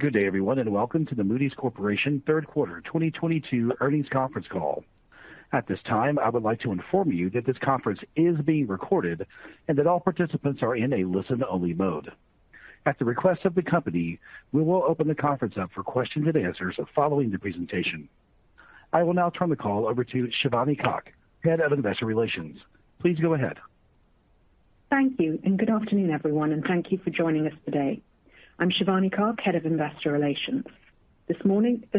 Good day, everyone, and welcome to the Moody's Corporation third quarter 2022 earnings conference call. At this time, I would like to inform you that this conference is being recorded and that all participants are in a listen-only mode. At the request of the company, we will open the conference up for questions-and-answers following the presentation. I will now turn the call over to Shivani Kak, Head of Investor Relations. Please go ahead. Thank you, and good afternoon, everyone, and thank you for joining us today. I'm Shivani Kak, Head of Investor Relations. This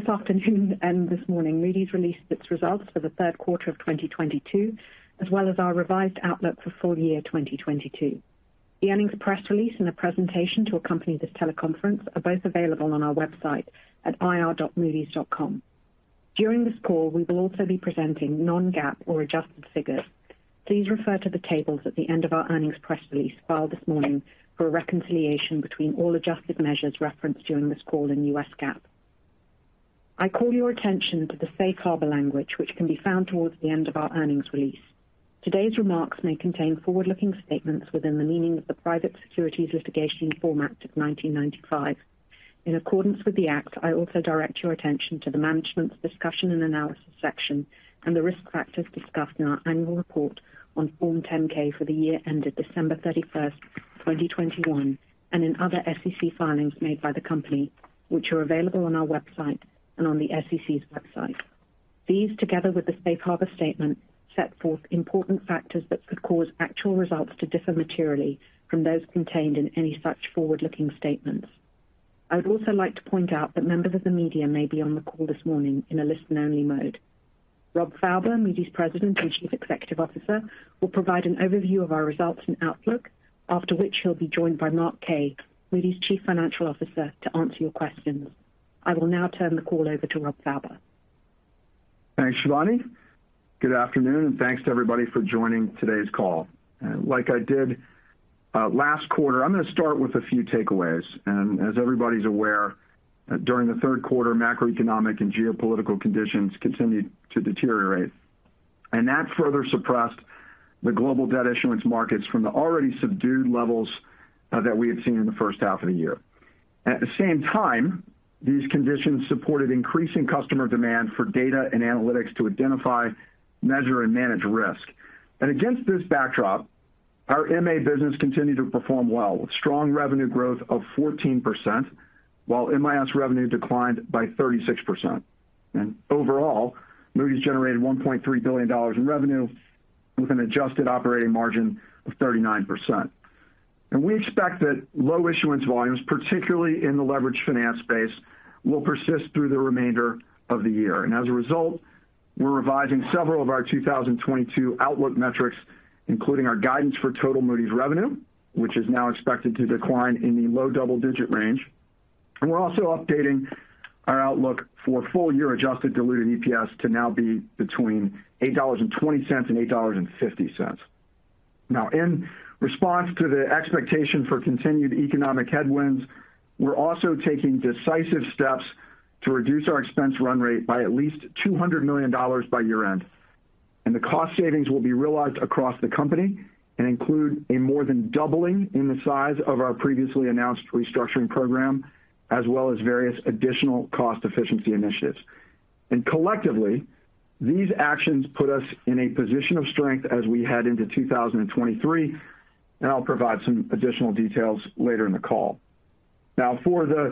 afternoon, and this morning, Moody's released its results for the third quarter of 2022, as well as our revised outlook for full year 2022. The earnings press release and a presentation to accompany this teleconference are both available on our website at ir.moodys.com. During this call, we will also be presenting non-GAAP or adjusted figures. Please refer to the tables at the end of our earnings press release filed this morning for a reconciliation between all adjusted measures referenced during this call in U.S. GAAP. I call your attention to the safe harbor language, which can be found towards the end of our earnings release. Today's remarks may contain forward-looking statements within the meaning of the Private Securities Litigation Reform Act of 1995. In accordance with the Act, I also direct your attention to the Management's Discussion and Analysis section and the Risk Factors discussed in our annual report on Form 10-K for the year ended December 31st, 2021, and in other SEC filings made by the company, which are available on our website and on the SEC's website. These, together with the safe harbor statement, set forth important factors that could cause actual results to differ materially from those contained in any such forward-looking statements. I would also like to point out that members of the media may be on the call this morning in a listen-only mode. Rob Fauber, Moody's President and Chief Executive Officer, will provide an overview of our results and outlook, after which he'll be joined by Mark Kaye, Moody's Chief Financial Officer, to answer your questions. I will now turn the call over to Rob Fauber. Thanks, Shivani. Good afternoon, and thanks to everybody for joining today's call. Like I did last quarter, I'm gonna start with a few takeaways. As everybody's aware, during the third quarter, macroeconomic and geopolitical conditions continued to deteriorate, and that further suppressed the global debt issuance markets from the already subdued levels that we had seen in the first half of the year. At the same time, these conditions supported increasing customer demand for data and analytics to identify, measure, and manage risk. Against this backdrop, our MA business continued to perform well, with strong revenue growth of 14%, while MIS revenue declined by 36%. Overall, Moody's generated $1.3 billion in revenue with an adjusted operating margin of 39%. We expect that low issuance volumes, particularly in the leveraged finance space, will persist through the remainder of the year. As a result, we're revising several of our 2022 outlook metrics, including our guidance for total Moody's revenue, which is now expected to decline in the low double-digit range. We're also updating our outlook for full-year adjusted diluted EPS to now be between $8.20 and $8.50. Now, in response to the expectation for continued economic headwinds, we're also taking decisive steps to reduce our expense run rate by at least $200 million by year-end. The cost savings will be realized across the company and include a more than doubling in the size of our previously announced restructuring program, as well as various additional cost efficiency initiatives. Collectively, these actions put us in a position of strength as we head into 2023, and I'll provide some additional details later in the call. Now, for the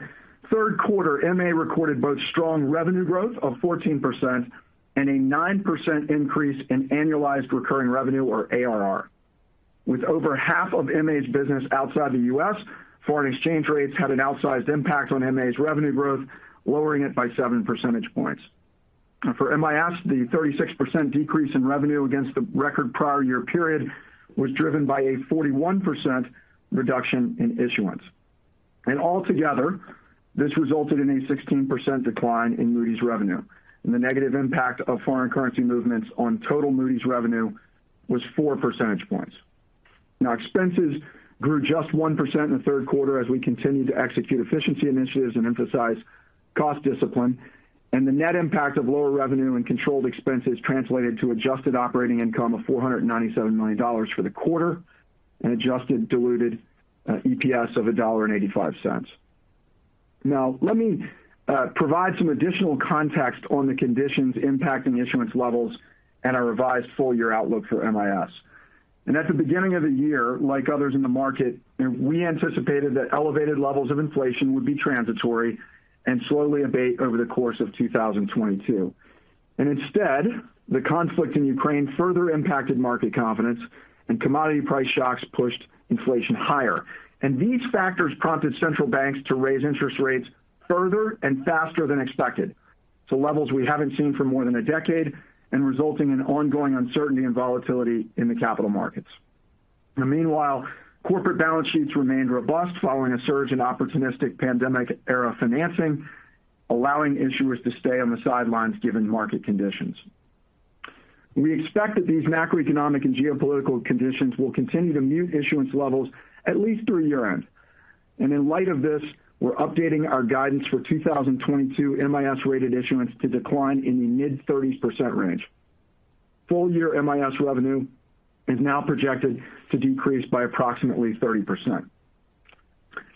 third quarter, MA recorded both strong revenue growth of 14% and a 9% increase in annualized recurring revenue or ARR. With over half of MA's business outside the U.S., foreign exchange rates had an outsized impact on MA's revenue growth, lowering it by seven percentage points. For MIS, the 36% decrease in revenue against the record prior year period was driven by a 41% reduction in issuance. Altogether, this resulted in a 16% decline in Moody's revenue, and the negative impact of foreign currency movements on total Moody's revenue was four percentage points. Now, expenses grew just 1% in the third quarter as we continued to execute efficiency initiatives and emphasize cost discipline, and the net impact of lower revenue and controlled expenses translated to adjusted operating income of $497 million for the quarter and adjusted diluted EPS of $1.85. Now, let me provide some additional context on the conditions impacting the issuance levels and our revised full-year outlook for MIS. At the beginning of the year, like others in the market, we anticipated that elevated levels of inflation would be transitory and slowly abate over the course of 2022. Instead, the conflict in Ukraine further impacted market confidence and commodity price shocks pushed inflation higher. These factors prompted central banks to raise interest rates further and faster than expected to levels we haven't seen for more than a decade, and resulting in ongoing uncertainty and volatility in the capital markets. Meanwhile, corporate balance sheets remained robust following a surge in opportunistic pandemic-era financing, allowing issuers to stay on the sidelines given market conditions. We expect that these macroeconomic and geopolitical conditions will continue to mute issuance levels at least through year-end. In light of this, we're updating our guidance for 2022 MIS-rated issuance to decline in the mid-30s% range. Full year MIS revenue is now projected to decrease by approximately 30%.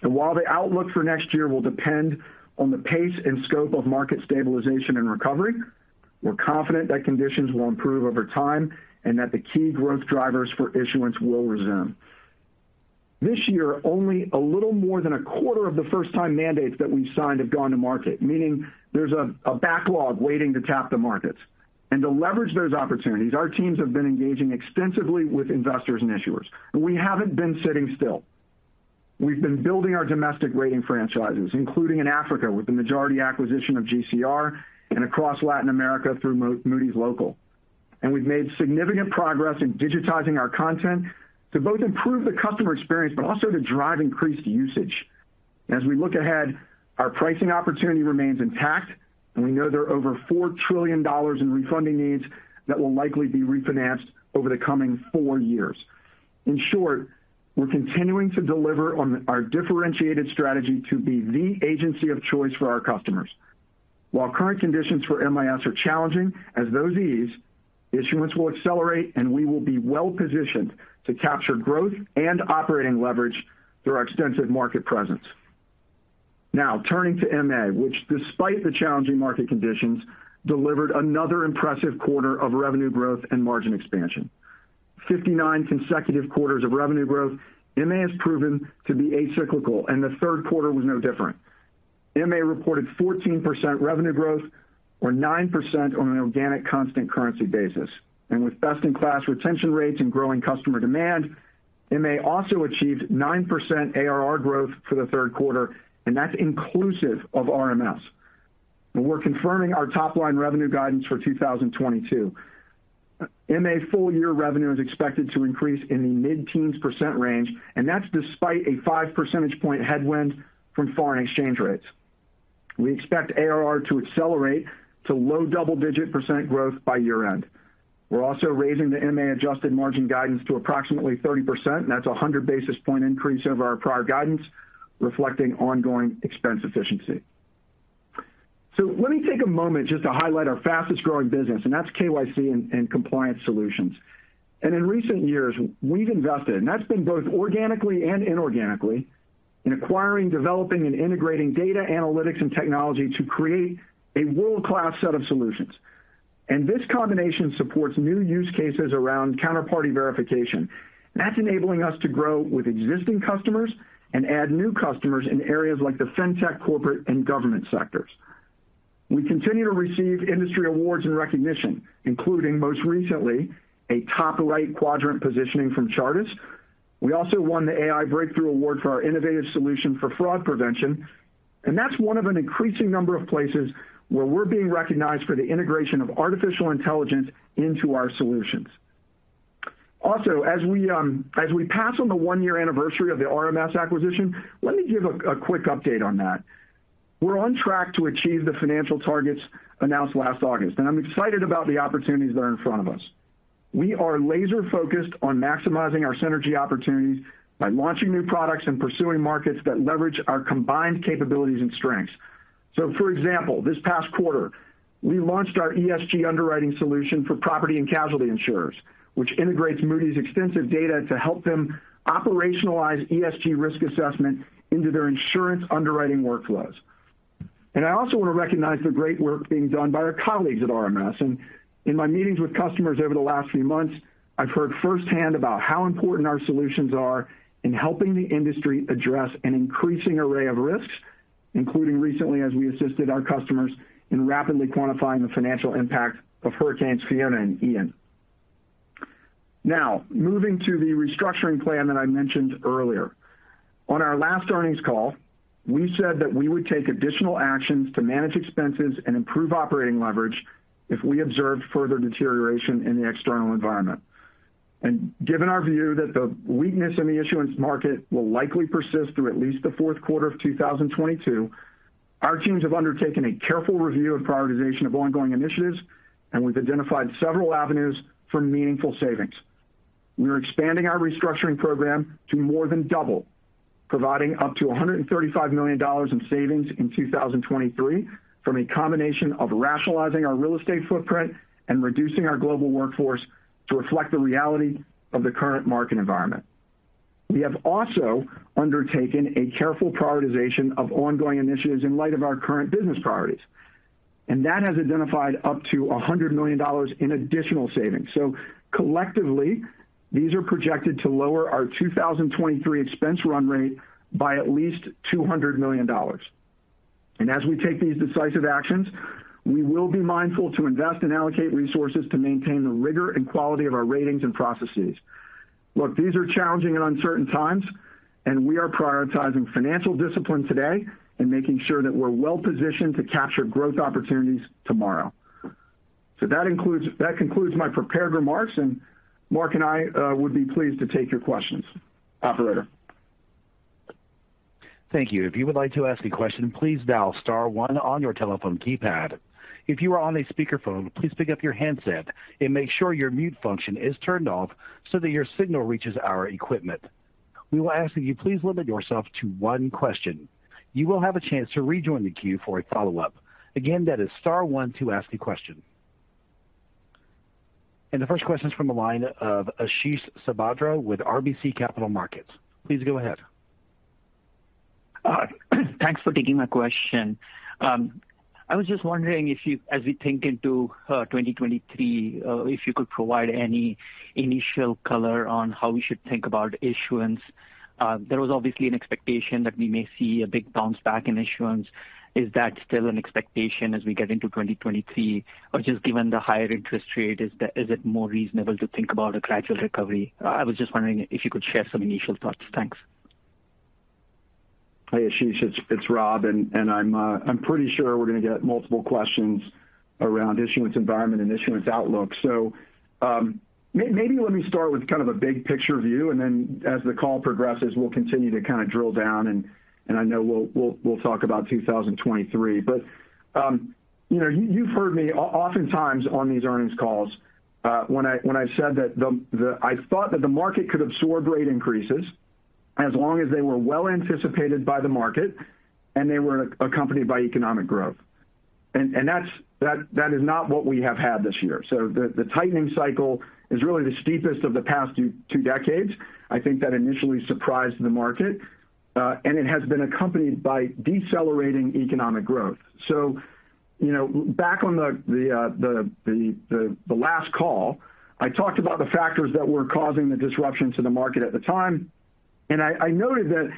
While the outlook for next year will depend on the pace and scope of market stabilization and recovery, we're confident that conditions will improve over time and that the key growth drivers for issuance will resume. This year, only a little more than a quarter of the first-time mandates that we've signed have gone to market. Meaning there's a backlog waiting to tap the markets. To leverage those opportunities, our teams have been engaging extensively with investors and issuers, and we haven't been sitting still. We've been building our domestic rating franchises, including in Africa, with the majority acquisition of GCR and across Latin America through Moody's Local. We've made significant progress in digitizing our content to both improve the customer experience but also to drive increased usage. As we look ahead, our pricing opportunity remains intact, and we know there are over $4 trillion in refunding needs that will likely be refinanced over the coming four years. In short, we're continuing to deliver on our differentiated strategy to be the agency of choice for our customers. While current conditions for MIS are challenging, as those ease, issuance will accelerate, and we will be well-positioned to capture growth and operating leverage through our extensive market presence. Now turning to MA, which despite the challenging market conditions, delivered another impressive quarter of revenue growth and margin expansion. 59 consecutive quarters of revenue growth. MA has proven to be a cyclical, and the third quarter was no different. MA reported 14% revenue growth or 9% on an organic constant currency basis. With best-in-class retention rates and growing customer demand, MA also achieved 9% ARR growth for the third quarter, and that's inclusive of RMS. We're confirming our top line revenue guidance for 2022. MA full year revenue is expected to increase in the mid-teens percent range, and that's despite a five percentage point headwind from foreign exchange rates. We expect ARR to accelerate to low double-digit percent growth by year-end. We're also raising the MA adjusted margin guidance to approximately 30%, and that's 100 basis point increase over our prior guidance, reflecting ongoing expense efficiency. Let me take a moment just to highlight our fastest-growing business, and that's KYC and compliance solutions. In recent years, we've invested, and that's been both organically and inorganically in acquiring, developing, and integrating data analytics and technology to create a world-class set of solutions. This combination supports new use cases around counterparty verification. That's enabling us to grow with existing customers and add new customers in areas like the Fintech corporate and government sectors. We continue to receive industry awards and recognition, including, most recently, a top right quadrant positioning from Chartis. We also won the AI Breakthrough Award for our innovative solution for fraud prevention, and that's one of an increasing number of places where we're being recognized for the integration of artificial intelligence into our solutions. Also, as we pass on the one-year anniversary of the RMS acquisition, let me give a quick update on that. We're on track to achieve the financial targets announced last August, and I'm excited about the opportunities that are in front of us. We are laser-focused on maximizing our synergy opportunities by launching new products and pursuing markets that leverage our combined capabilities and strengths. For example, this past quarter, we launched our ESG underwriting solution for property and casualty insurers, which integrates Moody's extensive data to help them operationalize ESG risk assessment into their insurance underwriting workflows. I also want to recognize the great work being done by our colleagues at RMS. In my meetings with customers over the last few months, I've heard firsthand about how important our solutions are in helping the industry address an increasing array of risks, including recently as we assisted our customers in rapidly quantifying the financial impact of Hurricane Fiona and Hurricane Ian. Now, moving to the restructuring plan that I mentioned earlier. On our last earnings call, we said that we would take additional actions to manage expenses and improve operating leverage if we observed further deterioration in the external environment. Given our view that the weakness in the issuance market will likely persist through at least the fourth quarter of 2022, our teams have undertaken a careful review of prioritization of ongoing initiatives, and we've identified several avenues for meaningful savings. We are expanding our restructuring program to more than double, providing up to $135 million in savings in 2023 from a combination of rationalizing our real estate footprint and reducing our global workforce to reflect the reality of the current market environment. We have also undertaken a careful prioritization of ongoing initiatives in light of our current business priorities, and that has identified up to $100 million in additional savings. So collectively, these are projected to lower our 2023 expense run rate by at least $200 million. As we take these decisive actions, we will be mindful to invest and allocate resources to maintain the rigor and quality of our ratings and processes. Look, these are challenging and uncertain times, and we are prioritizing financial discipline today and making sure that we're well-positioned to capture growth opportunities tomorrow. That concludes my prepared remarks, and Mark and I would be pleased to take your questions. Operator. Thank you. If you would like to ask a question, please dial star one on your telephone keypad. If you are on a speakerphone, please pick up your handset and make sure your mute function is turned off so that your signal reaches our equipment. We will ask that you please limit yourself to one question. You will have a chance to rejoin the queue for a follow-up. Again, that is star one to ask a question. The first question is from the line of Ashish Sabadra with RBC Capital Markets. Please go ahead. Thanks for taking my question. I was just wondering if you, as we think into 2023, if you could provide any initial color on how we should think about issuance. There was obviously an expectation that we may see a big bounce back in issuance. Is that still an expectation as we get into 2023? Or just given the higher interest rate, is it more reasonable to think about a gradual recovery? I was just wondering if you could share some initial thoughts. Thanks. Hey, Ashish. It's Rob, and I'm pretty sure we're gonna get multiple questions around issuance environment and issuance outlook. Maybe let me start with kind of a big picture view, and then as the call progresses, we'll continue to kind of drill down, and I know we'll talk about 2023. You know, you've heard me oftentimes on these earnings calls, when I said that I thought that the market could absorb rate increases as long as they were well anticipated by the market and they were accompanied by economic growth. That's not what we have had this year. The tightening cycle is really the steepest of the past two decades. I think that initially surprised the market, and it has been accompanied by decelerating economic growth. You know, back on the last call, I talked about the factors that were causing the disruption to the market at the time. I noted that,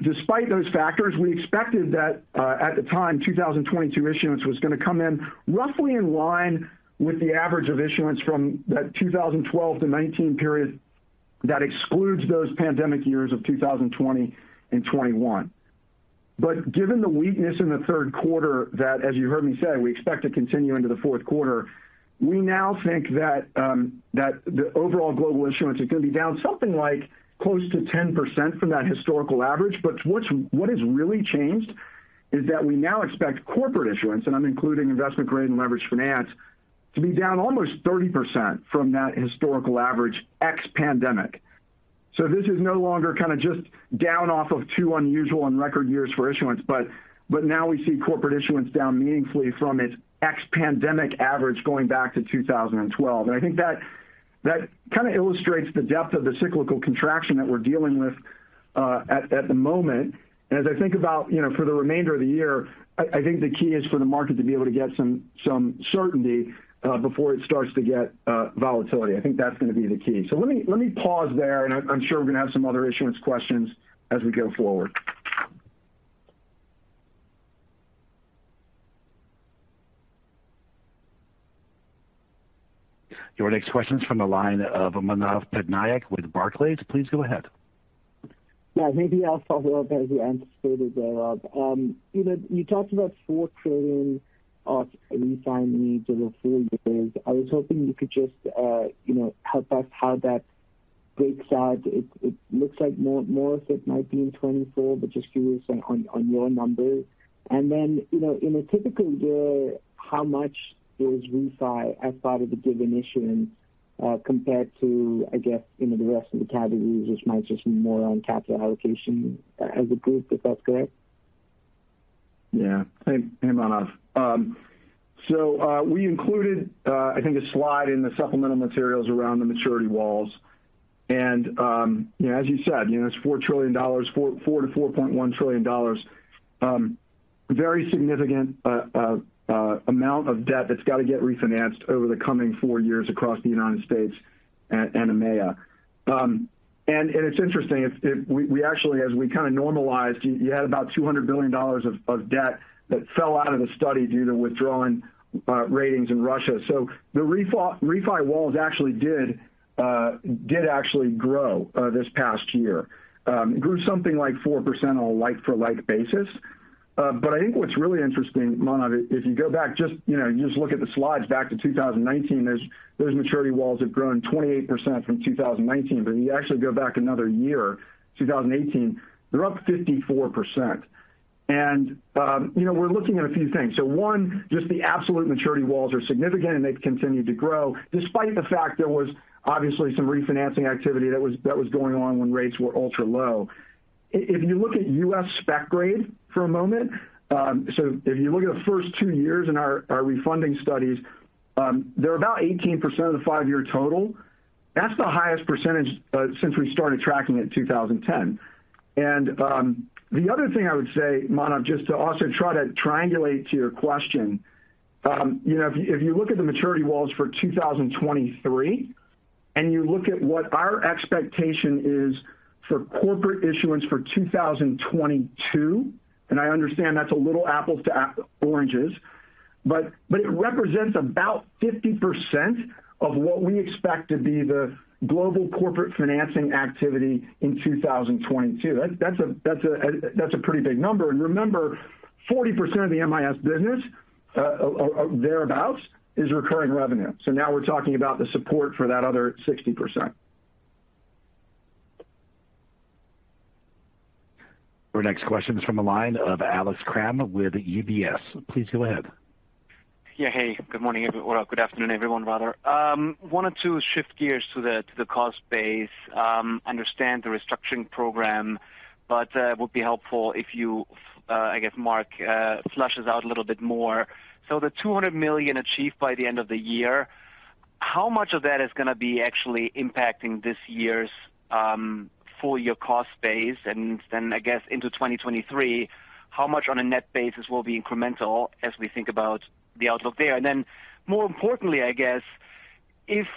despite those factors, we expected that, at the time, 2022 issuance was gonna come in roughly in line with the average of issuance from that 2012-2019 period that excludes those pandemic years of 2020 and 2021. Given the weakness in the third quarter that, as you heard me say, we expect to continue into the fourth quarter, we now think that the overall global issuance is gonna be down something like close to 10% from that historical average. What has really changed is that we now expect corporate issuance, and I'm including investment grade and leveraged finance, to be down almost 30% from that historical average ex-pandemic. This is no longer kind of just down off of two unusual and record years for issuance, but now we see corporate issuance down meaningfully from its ex-pandemic average going back to 2012. I think that kind of illustrates the depth of the cyclical contraction that we're dealing with at the moment. As I think about, you know, for the remainder of the year, I think the key is for the market to be able to get some certainty before it starts to get volatility. I think that's gonna be the key. Let me pause there, and I'm sure we're gonna have some other issuance questions as we go forward. Your next question is from the line of Manav Patnaik with Barclays. Please go ahead. Yeah. Maybe I'll follow up as you anticipated there, Rob. You know, you talked about $4 trillion of refi needs over four years. I was hoping you could just, you know, help us how that breaks out. It looks like more of it might be in 2024, but just curious on your numbers. Then, you know, in a typical year, how much is refi as part of the given issuance, compared to, I guess, you know, the rest of the categories which might just be more on capital allocation as a group, if that's correct. Yeah. Hey, Manav. We included, I think a slide in the supplemental materials around the maturity walls. You know, as you said, you know, it's $4 trillion, $4 trillion-$4.1 trillion, very significant amount of debt that's got to get refinanced over the coming four years across the United States and EMEA. It's interesting. We actually as we kind of normalized, you had about $200 billion of debt that fell out of the study due to withdrawing ratings in Russia. So the refi walls actually did actually grow this past year. It grew something like 4% on a like for like basis. I think what's really interesting, Manav, if you go back just, you know, you just look at the slides back to 2019, those maturity walls have grown 28% from 2019. If you actually go back another year, 2018, they're up 54%. We're looking at a few things. One, just the absolute maturity walls are significant, and they've continued to grow despite the fact there was obviously some refinancing activity that was going on when rates were ultra-low. If you look at U.S. spec grade for a moment, if you look at the first two years in our refunding studies, they're about 18% of the five-year total. That's the highest percentage since we started tracking it in 2010. The other thing I would say, Manav, just to also try to triangulate to your question, you know, if you look at the maturity walls for 2023, and you look at what our expectation is for corporate issuance for 2022, and I understand that's a little apples to oranges, but it represents about 50% of what we expect to be the global corporate financing activity in 2022. That's a pretty big number. Remember, 40% of the MIS business, thereabouts is recurring revenue. Now we're talking about the support for that other 60%. Our next question is from the line of Alex Kramm with UBS. Please go ahead. Yeah. Hey, good morning, everyone. Good afternoon, everyone, rather. Wanted to shift gears to the cost base. Understand the restructuring program, but would be helpful if you, I guess Mark, fleshes out a little bit more. The $200 million achieved by the end of the year, how much of that is gonna be actually impacting this year's full year cost base? Then, I guess, into 2023, how much on a net basis will be incremental as we think about the outlook there? Then more importantly, I guess, if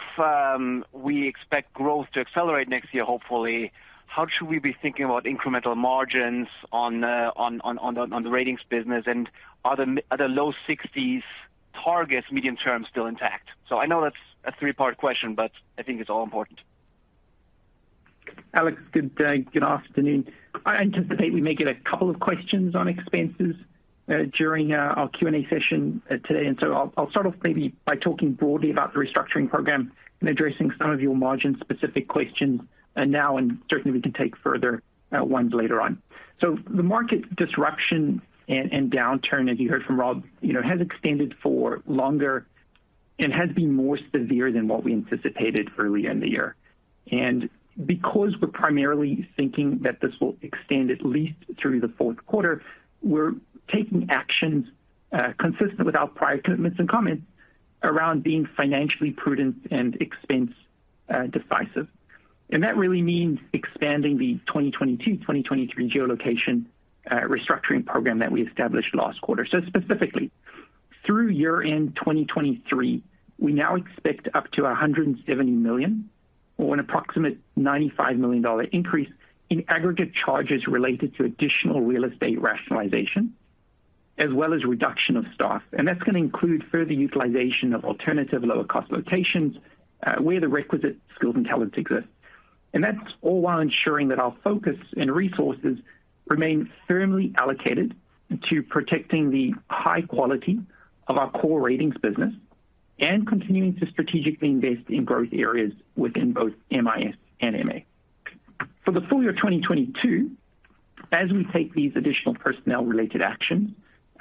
we expect growth to accelerate next year, hopefully, how should we be thinking about incremental margins on the ratings business and are the low 60s% targets medium term still intact? I know that's a three-part question, but I think it's all important. Alex, good day. Good afternoon. I anticipate we may get a couple of questions on expenses, during our Q&A session today. I'll start off maybe by talking broadly about the restructuring program and addressing some of your margin-specific questions, now, and certainly we can take further, ones later on. The market disruption and downturn, as you heard from Rob, you know, has extended for longer and has been more severe than what we anticipated early in the year. Because we're primarily thinking that this will extend at least through the fourth quarter, we're taking actions, consistent with our prior commitments and comments around being financially prudent and expense decisive. That really means expanding the 2022-2023 globalization restructuring program that we established last quarter. Specifically, through year-end 2023, we now expect up to $170 million or an approximate $95 million increase in aggregate charges related to additional real estate rationalization as well as reduction of staff. That's gonna include further utilization of alternative lower cost locations, where the requisite skills and talents exist. That's all while ensuring that our focus and resources remain firmly allocated to protecting the high quality of our core ratings business and continuing to strategically invest in growth areas within both MIS and MA. For the full year 2022, as we take these additional personnel related actions,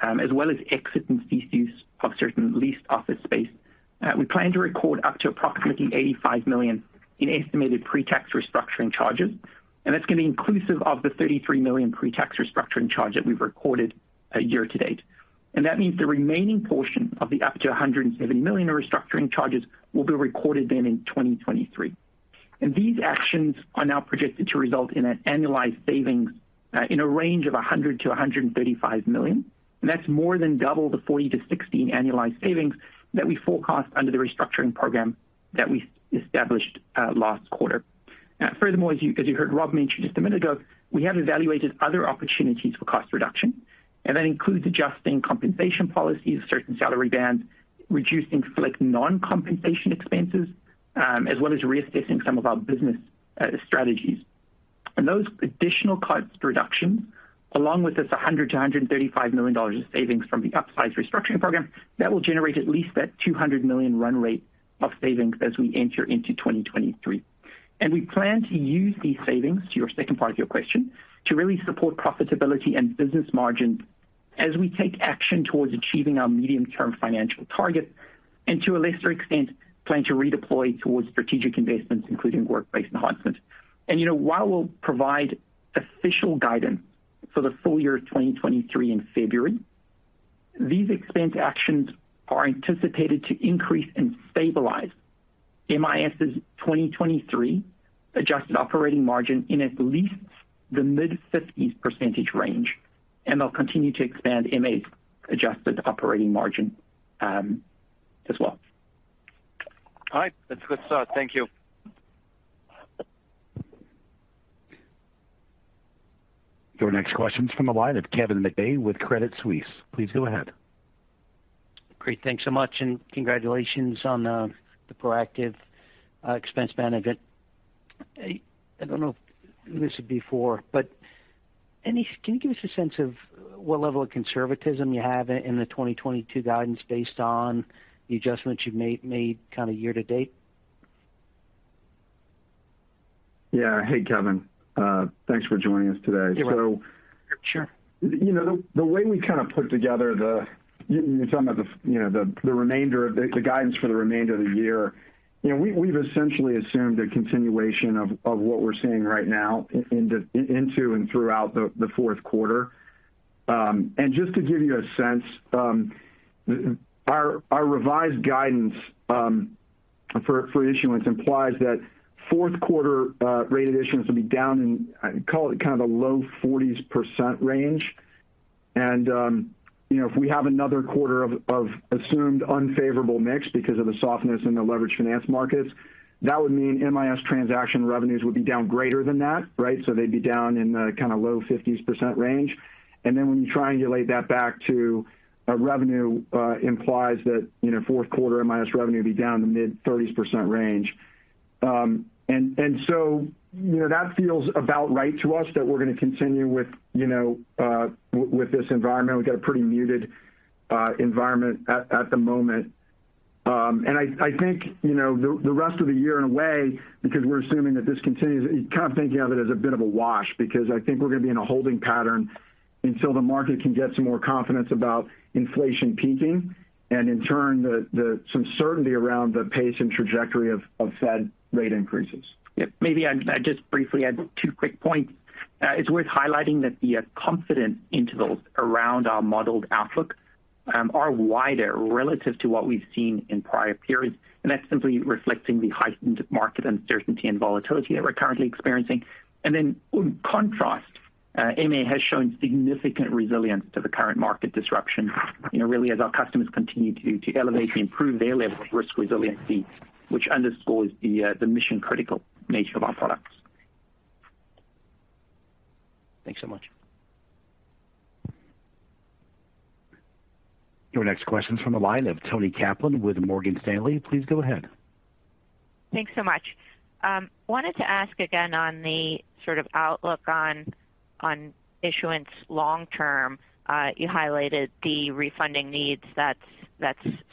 as well as exit and cease of certain leased office space, we plan to record up to approximately $85 million in estimated pre-tax restructuring charges. That's gonna be inclusive of the $33 million pre-tax restructuring charge that we've recorded year-to-date. That means the remaining portion of up to $170 million in restructuring charges will be recorded then in 2023. These actions are now projected to result in an annualized savings in a range of $100 million-$135 million. That's more than double the $40 million-$60 million annualized savings that we forecast under the restructuring program that we established last quarter. Furthermore, as you heard Rob mention just a minute ago, we have evaluated other opportunities for cost reduction, and that includes adjusting compensation policies, certain salary bands, reducing select non-compensation expenses, as well as reassessing some of our business strategies. Those additional cost reductions, along with this $100 million-$135 million in savings from the upsized restructuring program, that will generate at least that $200 million run rate of savings as we enter into 2023. We plan to use these savings, to your second part of your question, to really support profitability and business margins as we take action towards achieving our medium-term financial targets and to a lesser extent, plan to redeploy towards strategic investments, including workplace enhancement. You know, while we'll provide official guidance for the full year of 2023 in February, these expense actions are anticipated to increase and stabilize MIS's 2023 adjusted operating margin in at least the mid-50s percentage range, and they'll continue to expand MA's adjusted operating margin, as well. All right. That's good start. Thank you. Your next question is from the line of Kevin McVeigh with Credit Suisse. Please go ahead. Great. Thanks so much, and congratulations on the proactive expense management. I don't know if you alluded before, but can you give us a sense of what level of conservatism you have in the 2022 guidance based on the adjustments you've made kinda year-to-date? Yeah. Hey, Kevin. Thanks for joining us today. You're welcome. So- Sure. You know, the way we kinda put together the guidance for the remainder of the year. You know, you're talking about the remainder of the year. You know, we've essentially assumed a continuation of what we're seeing right now into and throughout the fourth quarter. Just to give you a sense, our revised guidance for issuance implies that fourth quarter rated issuance will be down in, I'd call it kind of the low 40s% range. You know, if we have another quarter of assumed unfavorable mix because of the softness in the leveraged finance markets, that would mean MIS transaction revenues would be down greater than that, right? They'd be down in the kinda low 50s% range. When you triangulate that back to revenue, implies that, you know, fourth quarter MIS revenue would be down in the mid-30s% range. You know, that feels about right to us that we're gonna continue with, you know, this environment. We've got a pretty muted environment at the moment. I think, you know, the rest of the year in a way because we're assuming that this continues, kind of thinking of it as a bit of a wash because I think we're gonna be in a holding pattern until the market can get some more confidence about inflation peaking, and in turn some certainty around the pace and trajectory of Fed rate increases. Yeah. Maybe just briefly add two quick points. It's worth highlighting that the confidence intervals around our modeled outlook are wider relative to what we've seen in prior periods. That's simply reflecting the heightened market uncertainty and volatility that we're currently experiencing. Then in contrast, MA has shown significant resilience to the current market disruption, you know, really as our customers continue to elevate and improve their level of risk resiliency, which underscores the mission-critical nature of our products. Thanks so much. Your next question's from the line of Toni Kaplan with Morgan Stanley. Please go ahead. Thanks so much. Wanted to ask again on the sort of outlook on issuance long term. You highlighted the refunding needs that's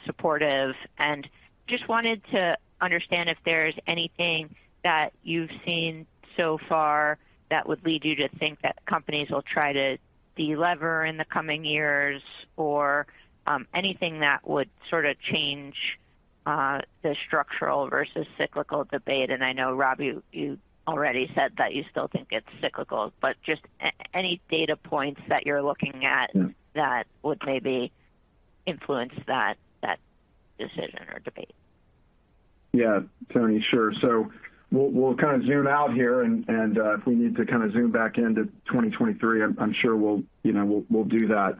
supportive. Just wanted to understand if there's anything that you've seen so far that would lead you to think that companies will try to delever in the coming years or anything that would sort of change the structural versus cyclical debate. I know, Rob, you already said that you still think it's cyclical, but just any data points that you're looking at that would maybe influence that decision or debate. Yeah. Toni, sure. We'll kind of zoom out here and if we need to kind of zoom back into 2023, I'm sure we'll, you know, do that.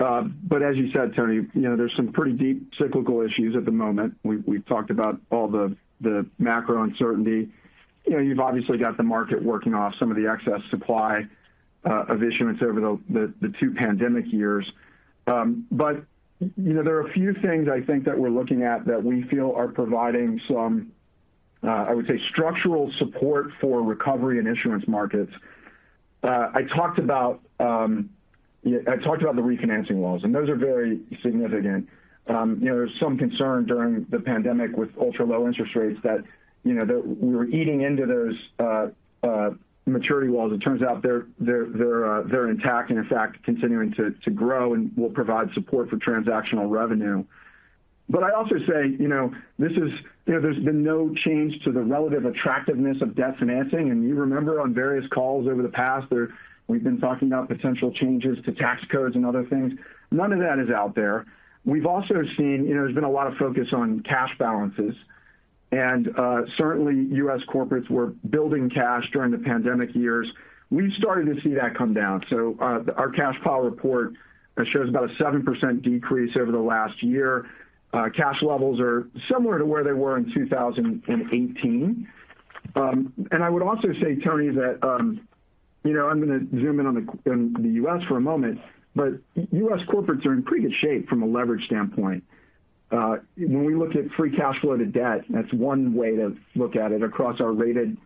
As you said, Toni, you know, there's some pretty deep cyclical issues at the moment. We've talked about all the macro uncertainty. You know, you've obviously got the market working off some of the excess supply of issuance over the two pandemic years. You know, there are a few things I think that we're looking at that we feel are providing some I would say structural support for recovery in issuance markets. I talked about the refinancing walls, and those are very significant. You know, there was some concern during the pandemic with ultra-low interest rates that, you know, that we were eating into those maturity walls. It turns out they're intact and in fact continuing to grow and will provide support for transactional revenue. I'd also say, you know, there's been no change to the relative attractiveness of debt financing. You remember on various calls over the past where we've been talking about potential changes to tax codes and other things. None of that is out there. We've also seen, you know, there's been a lot of focus on cash balances. Certainly U.S. corporates were building cash during the pandemic years. We've started to see that come down. Our cash flow report shows about a 7% decrease over the last year. Cash levels are similar to where they were in 2018. I would also say, Toni, that, you know, I'm gonna zoom in on the U.S. for a moment, but U.S. corporates are in pretty good shape from a leverage standpoint. When we look at free cash flow to debt, that's one way to look at it across our rated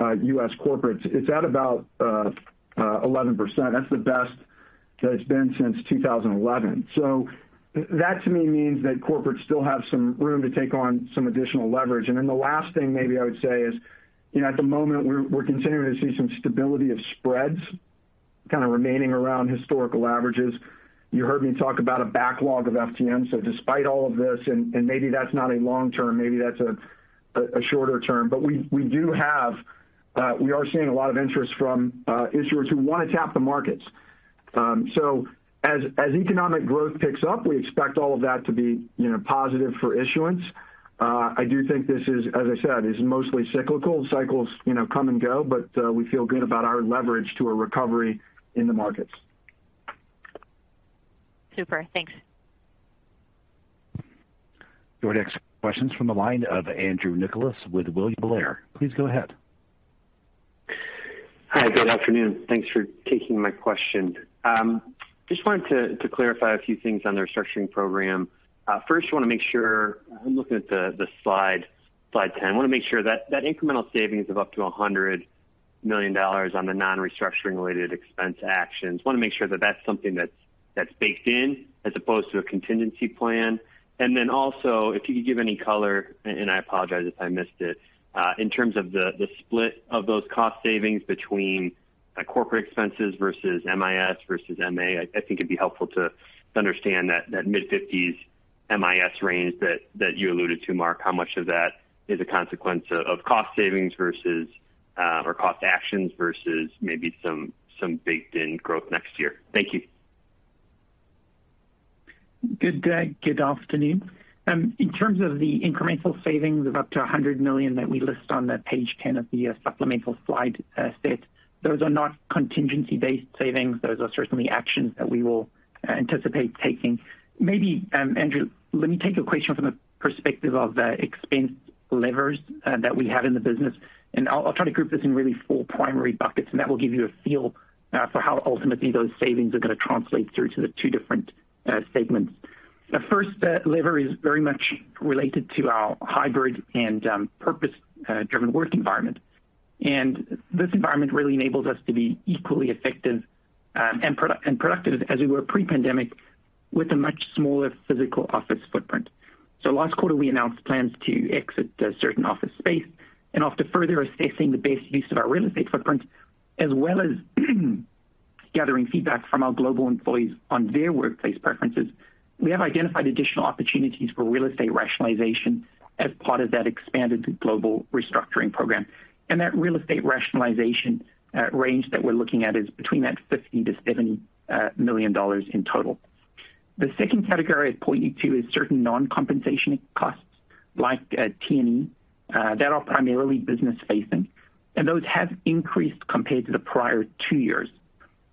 U.S. corporates. It's at about 11%. That's the best that it's been since 2011. That to me means that corporates still have some room to take on some additional leverage. The last thing maybe I would say is, you know, at the moment we're continuing to see some stability of spreads kind of remaining around historical averages. You heard me talk about a backlog of FTMs. Despite all of this, maybe that's not a long term, maybe that's a shorter term. We are seeing a lot of interest from issuers who wanna tap the markets. As economic growth picks up, we expect all of that to be, you know, positive for issuance. I do think this is, as I said, mostly cyclical. Cycles, you know, come and go, but we feel good about our leverage to a recovery in the markets. Super. Thanks. Your next question's from the line of Andrew Nicholas with William Blair. Please go ahead. Hi. Good afternoon. Thanks for taking my question. Just wanted to clarify a few things on the restructuring program. First wanna make sure I'm looking at the slide ten. Wanna make sure that incremental savings of up to $100 million on the non-restructuring related expense actions, wanna make sure that that's something that's baked in as opposed to a contingency plan. Then also if you could give any color, and I apologize if I missed it, in terms of the split of those cost savings between corporate expenses versus MIS versus MA. I think it'd be helpful to understand that mid-50s MIS range that you alluded to, Mark, how much of that is a consequence of cost savings versus or cost actions versus maybe some baked in growth next year. Thank you. Good day. Good afternoon. In terms of the incremental savings of up to $100 million that we list on page 10 of the supplemental slide set, those are not contingency-based savings. Those are certainly actions that we will anticipate taking. Maybe, Andrew, let me take your question from the perspective of the expense levers that we have in the business, and I'll try to group this in really four primary buckets, and that will give you a feel for how ultimately those savings are gonna translate through to the two different segments. The first lever is very much related to our hybrid and purpose-driven work environment. This environment really enables us to be equally effective and productive as we were pre-pandemic with a much smaller physical office footprint. Last quarter, we announced plans to exit certain office space. After further assessing the best use of our real estate footprint, as well as gathering feedback from our global employees on their workplace preferences, we have identified additional opportunities for real estate rationalization as part of that expanded global restructuring program. That real estate rationalization range that we're looking at is between $50 million-$70 million in total. The second category I'd point you to is certain non-compensation costs like T&E that are primarily business facing, and those have increased compared to the prior two years.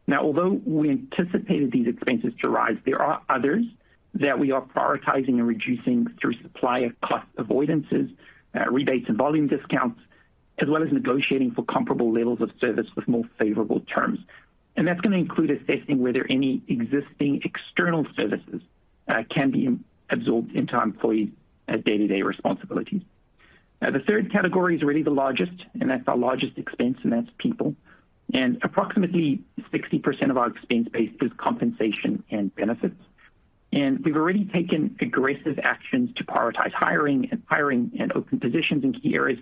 Now, although we anticipated these expenses to rise, there are others that we are prioritizing and reducing through supplier cost avoidances, rebates and volume discounts, as well as negotiating for comparable levels of service with more favorable terms. That's gonna include assessing whether any existing external services can be absorbed into employees' day-to-day responsibilities. The third category is really the largest, and that's our largest expense, and that's people. Approximately 60% of our expense base is compensation and benefits. We've already taken aggressive actions to prioritize hiring and open positions in key areas.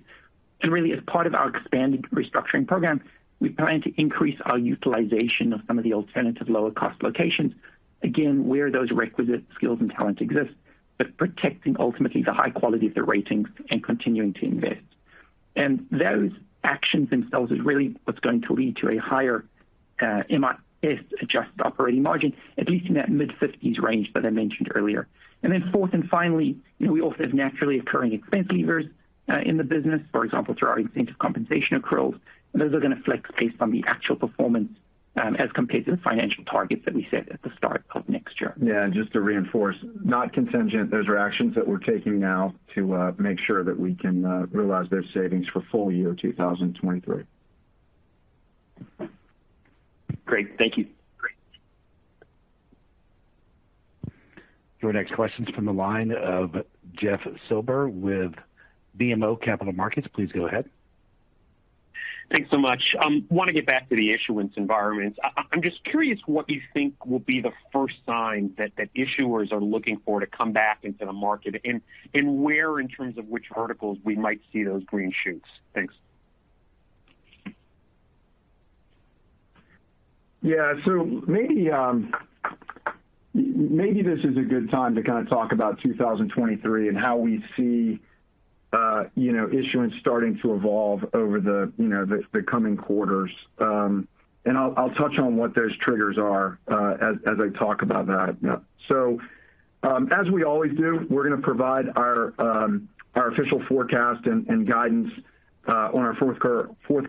Really, as part of our expanded restructuring program, we plan to increase our utilization of some of the alternative lower cost locations. Again, where those requisite skills and talents exist, but protecting ultimately the high quality of the ratings and continuing to invest. Those actions themselves is really what's going to lead to a higher MIS adjusted operating margin, at least in that mid-50s range that I mentioned earlier. Fourth and finally, you know, we also have naturally occurring expense levers in the business, for example, through our incentive compensation accruals. Those are going to flex based on the actual performance, as compared to the financial targets that we set at the start of next year. Yeah. Just to reinforce, not contingent. Those are actions that we're taking now to make sure that we can realize those savings for full year 2023. Great. Thank you. Great. Your next question's from the line of Jeff Silber with BMO Capital Markets. Please go ahead. Thanks so much. Want to get back to the issuance environment. I'm just curious what you think will be the first sign that issuers are looking for to come back into the market and where in terms of which verticals we might see those green shoots? Thanks. Maybe this is a good time to kind of talk about 2023 and how we see issuance starting to evolve over the coming quarters. I'll touch on what those triggers are as I talk about that. As we always do, we're gonna provide our official forecast and guidance on our fourth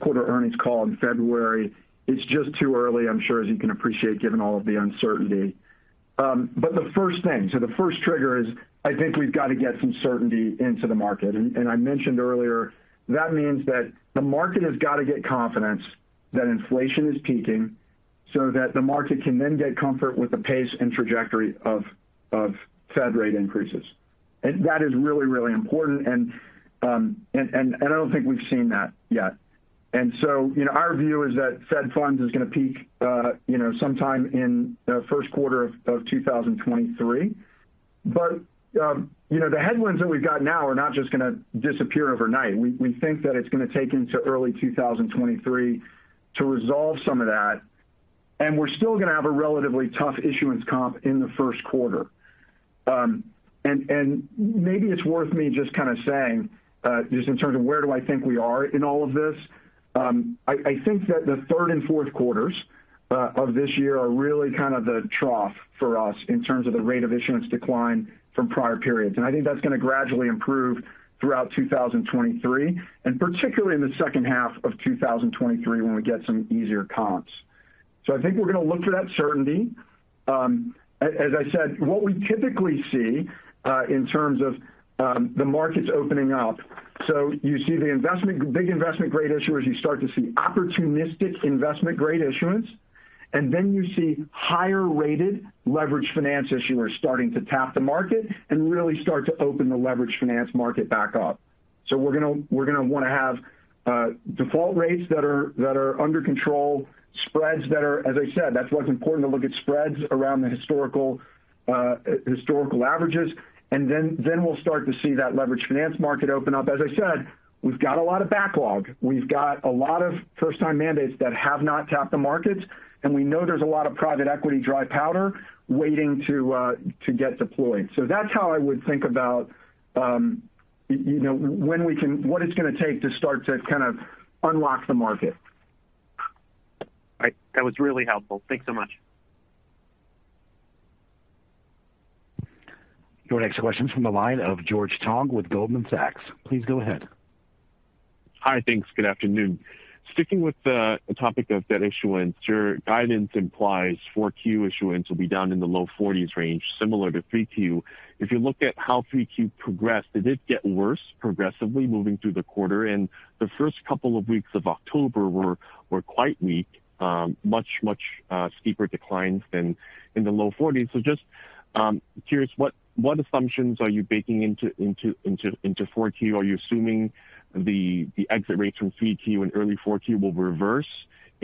quarter earnings call in February. It's just too early, I'm sure, as you can appreciate given all of the uncertainty. The first trigger is I think we've got to get some certainty into the market. I mentioned earlier that means that the market has got to get confidence that inflation is peaking so that the market can then get comfort with the pace and trajectory of Fed rate increases. That is really, really important. I don't think we've seen that yet. You know, our view is that Fed funds is gonna peak sometime in the first quarter of 2023. You know, the headwinds that we've got now are not just gonna disappear overnight. We think that it's gonna take into early 2023 to resolve some of that, and we're still gonna have a relatively tough issuance comp in the first quarter. Maybe it's worth me just kind of saying just in terms of where do I think we are in all of this. I think that the third and fourth quarters of this year are really kind of the trough for us in terms of the rate of issuance decline from prior periods. I think that's gonna gradually improve throughout 2023, and particularly in the second half of 2023 when we get some easier comps. I think we're gonna look for that certainty. As I said, what we typically see in terms of the markets opening up. You see the big investment grade issuers. You start to see opportunistic investment grade issuance, and then you see higher rated leverage finance issuers starting to tap the market and really start to open the leverage finance market back up. We're gonna wanna have default rates that are under control, spreads that are. As I said, that's why it's important to look at spreads around the historical averages. Then we'll start to see that leverage finance market open up. As I said, we've got a lot of backlog. We've got a lot of first-time mandates that have not tapped the markets, and we know there's a lot of private equity dry powder waiting to get deployed. That's how I would think about, you know, what it's gonna take to start to kind of unlock the market. All right. That was really helpful. Thanks so much. Your next question's from the line of George Tong with Goldman Sachs. Please go ahead. Hi. Thanks. Good afternoon. Sticking with the topic of debt issuance, your guidance implies 4Q issuance will be down in the low forties range, similar to 3Q. If you look at how 3Q progressed, did it get worse progressively moving through the quarter? The first couple of weeks of October were quite weak, much steeper declines than in the low forties. Just curious, what assumptions are you baking into 4Q? Are you assuming the exit rates from 3Q and early 4Q will reverse?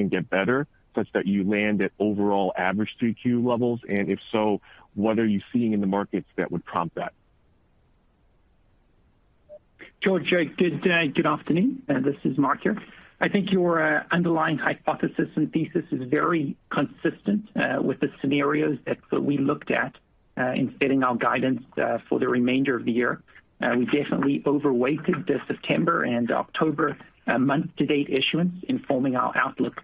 Get better such that you land at overall average 3Q levels, and if so, what are you seeing in the markets that would prompt that? George, good day. Good afternoon. This is Mark here. I think your underlying hypothesis and thesis is very consistent with the scenarios that we looked at in setting our guidance for the remainder of the year. We definitely overweighted the September and October month-to-date issuance in forming our outlook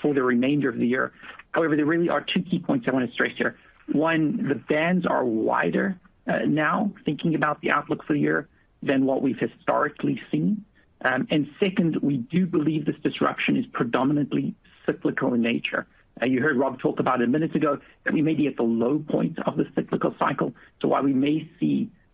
for the remainder of the year. However, there really are two key points I want to stress here. One, the bands are wider now thinking about the outlook for the year than what we've historically seen. And second, we do believe this disruption is predominantly cyclical in nature. You heard Rob talk about it minutes ago that we may be at the low point of the cyclical cycle. While we may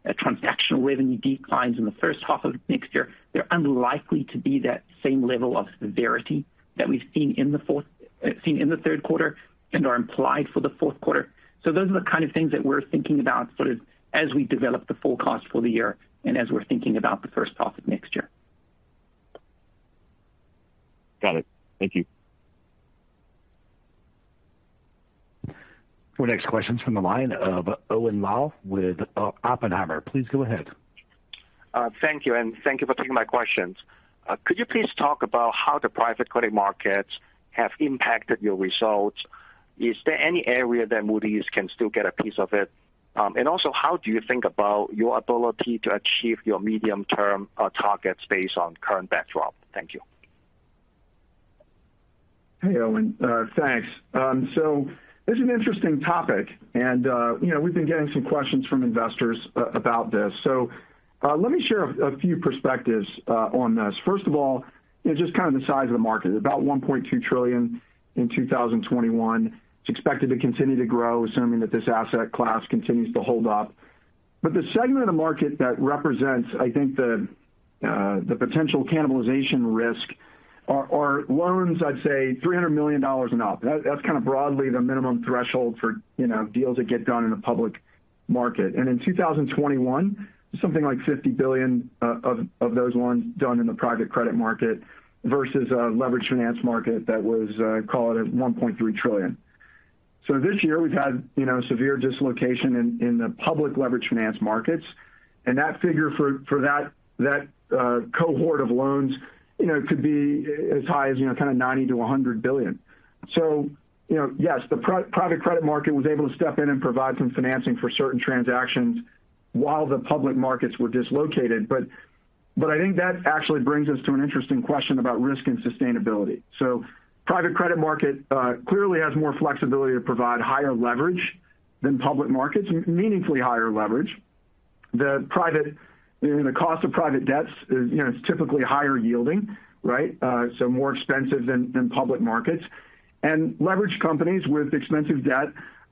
see a transactional revenue declines in the first half of next year, they're unlikely to be that same level of severity that we've seen in the third quarter and are implied for the fourth quarter. Those are the kind of things that we're thinking about sort of as we develop the full cost for the year and as we're thinking about the first half of next year. Got it. Thank you. Our next question's from the line of Owen Lau with Oppenheimer. Please go ahead. Thank you, and thank you for taking my questions. Could you please talk about how the private credit markets have impacted your results? Is there any area that Moody's can still get a piece of it? How do you think about your ability to achieve your medium-term targets based on current backdrop? Thank you. Hey, Owen. Thanks. It's an interesting topic, and you know, we've been getting some questions from investors about this. Let me share a few perspectives on this. First of all, you know, just kind of the size of the market, about $1.2 trillion in 2021. It's expected to continue to grow, assuming that this asset class continues to hold up. The segment of the market that represents, I think, the potential cannibalization risk are loans, I'd say, $300 million and up. That's kind of broadly the minimum threshold for, you know, deals that get done in a public market. In 2021, something like $50 billion of those loans done in the private credit market versus a leveraged finance market that was, call it at $1.3 trillion. This year we've had, you know, severe dislocation in the public leverage finance markets. That figure for that cohort of loans, you know, could be as high as, you know, kind of $90 billion-$100 billion. You know, yes, the private credit market was able to step in and provide some financing for certain transactions while the public markets were dislocated, but I think that actually brings us to an interesting question about risk and sustainability. Private credit market clearly has more flexibility to provide higher leverage than public markets, meaningfully higher leverage. The private, you know, the cost of private debt is, you know, it's typically higher yielding, right? more expensive than public markets. leverage companies with expensive debt,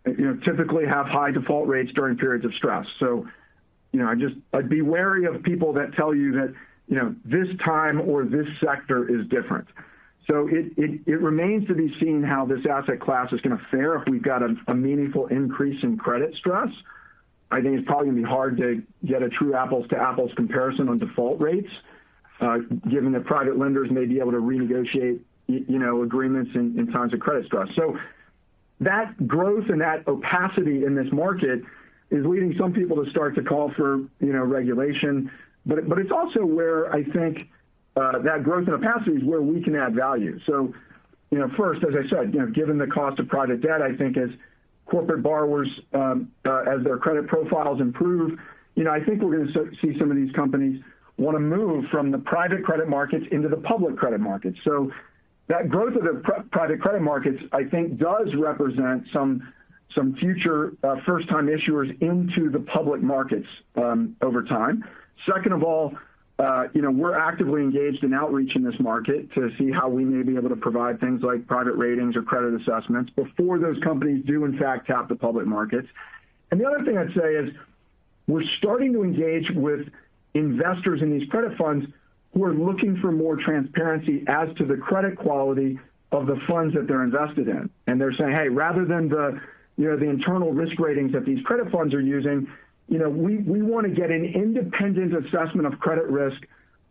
you know, typically have high default rates during periods of stress. I'd be wary of people that tell you that, you know, this time or this sector is different. it remains to be seen how this asset class is gonna fare if we've got a meaningful increase in credit stress. I think it's probably gonna be hard to get a true apples to apples comparison on default rates, given that private lenders may be able to renegotiate you know, agreements in times of credit stress. that growth and that opacity in this market is leading some people to start to call for, you know, regulation. It's also where I think that growth and opacity is where we can add value. You know, first, as I said, you know, given the cost of private debt, I think as corporate borrowers, as their credit profiles improve, you know, I think we're gonna see some of these companies wanna move from the private credit markets into the public credit markets. That growth of the private credit markets, I think, does represent some future first time issuers into the public markets over time. Second of all, you know, we're actively engaged in outreach in this market to see how we may be able to provide things like private ratings or credit assessments before those companies do in fact tap the public markets. The other thing I'd say is we're starting to engage with investors in these credit funds who are looking for more transparency as to the credit quality of the funds that they're invested in. They're saying, "Hey, rather than the, you know, the internal risk ratings that these credit funds are using, you know, we wanna get an independent assessment of credit risk